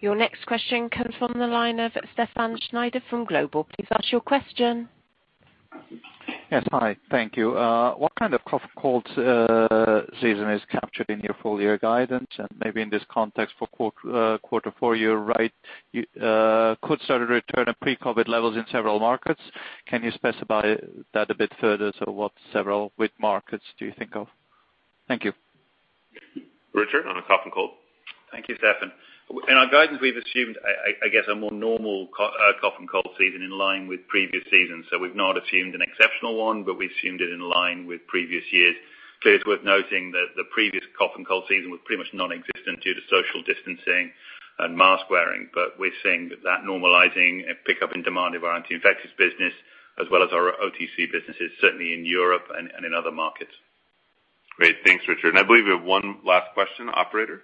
Your next question comes from the line of Stefan Schneider from Vontobel. Please ask your question. Yes. Hi, thank you. What kind of cough and cold season is captured in your full year guidance? Maybe in this context for quarter four, you write could start a return of pre-COVID levels in several markets. Can you specify that a bit further? So what several wide markets do you think of? Thank you. Richard, on the cough and cold. Thank you, Stefan. In our guidance, we've assumed a more normal cough and cold season in line with previous seasons. We've not assumed an exceptional one, but we assumed it in line with previous years. It's worth noting that the previous cough and cold season was pretty much non-existent due to social distancing and mask wearing. We're seeing that normalizing, a pickup in demand of our anti-infectious business as well as our OTC businesses, certainly in Europe and in other markets. Great. Thanks, Richard. I believe we have one last question, operator.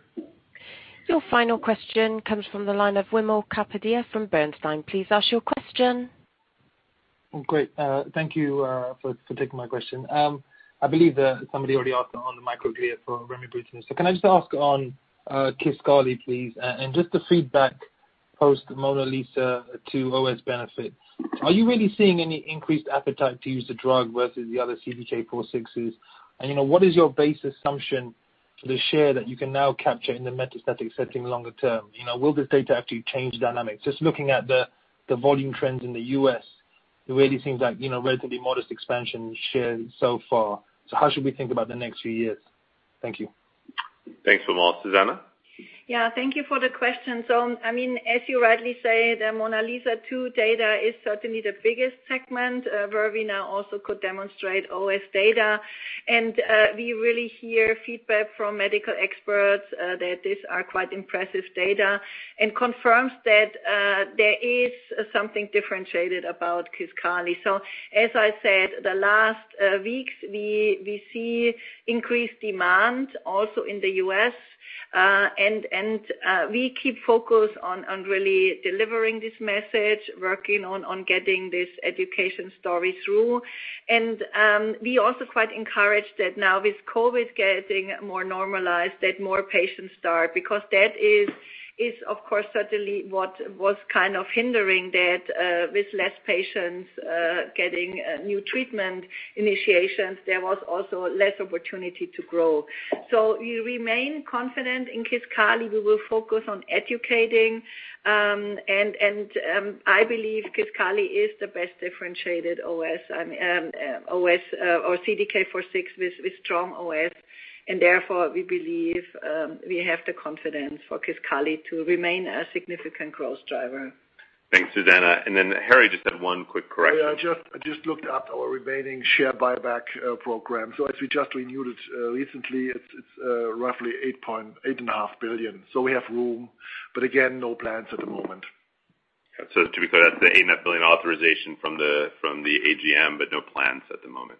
Your final question comes from the line of Wimal Kapadia from Bernstein. Please ask your question. Great. Thank you for taking my question. I believe that somebody already asked on the microglia for remibrutinib. Can I just ask on Kisqali, please? Just the feedback post MONALEESA-2 OS benefit. Are you really seeing any increased appetite to use the drug versus the other CDK4/6s? You know, what is your base assumption for the share that you can now capture in the metastatic setting longer term? You know, will this data actually change dynamics? Just looking at the volume trends in the U.S., it really seems like, you know, relatively modest expansion share so far. How should we think about the next few years? Thank you. Thanks, Wimal. Susanne? Yeah. Thank you for the question. I mean, as you rightly say, the MONALEESA-2 data is certainly the biggest segment, where we now also could demonstrate OS data. We really hear feedback from medical experts that these are quite impressive data and confirms that there is something differentiated about Kisqali. As I said, the last weeks, we see increased demand also in the U.S., and we keep focused on really delivering this message, working on getting this education story through. We also quite encouraged that now with COVID getting more normalized, that more patients start because that is of course certainly what was kind of hindering that, with less patients getting new treatment initiations. There was also less opportunity to grow. We remain confident in Kisqali. We will focus on educating. I believe Kisqali is the best differentiated OS or CDK4/6 with strong OS. Therefore, we believe we have the confidence for Kisqali to remain a significant growth driver. Thanks, Susanne. Harry just had one quick correction. I just looked up our remaining share buyback program. As we just renewed it recently, it's roughly $8.5 billion. We have room, but again, no plans at the moment. To be clear, that's the $8.5 billion authorization from the AGM, but no plans at the moment.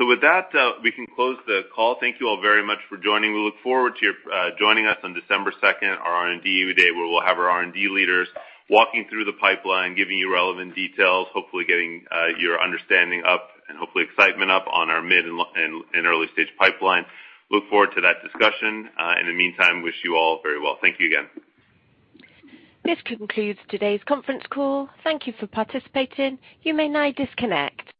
With that, we can close the call. Thank you all very much for joining. We look forward to your joining us on December second, our R&D update, where we'll have our R&D leaders walking through the pipeline, giving you relevant details, hopefully getting your understanding up and hopefully excitement up on our mid- and late- and early-stage pipeline. Look forward to that discussion. In the meantime, wish you all very well. Thank you again. This concludes today's conference call. Thank you for participating. You may now disconnect.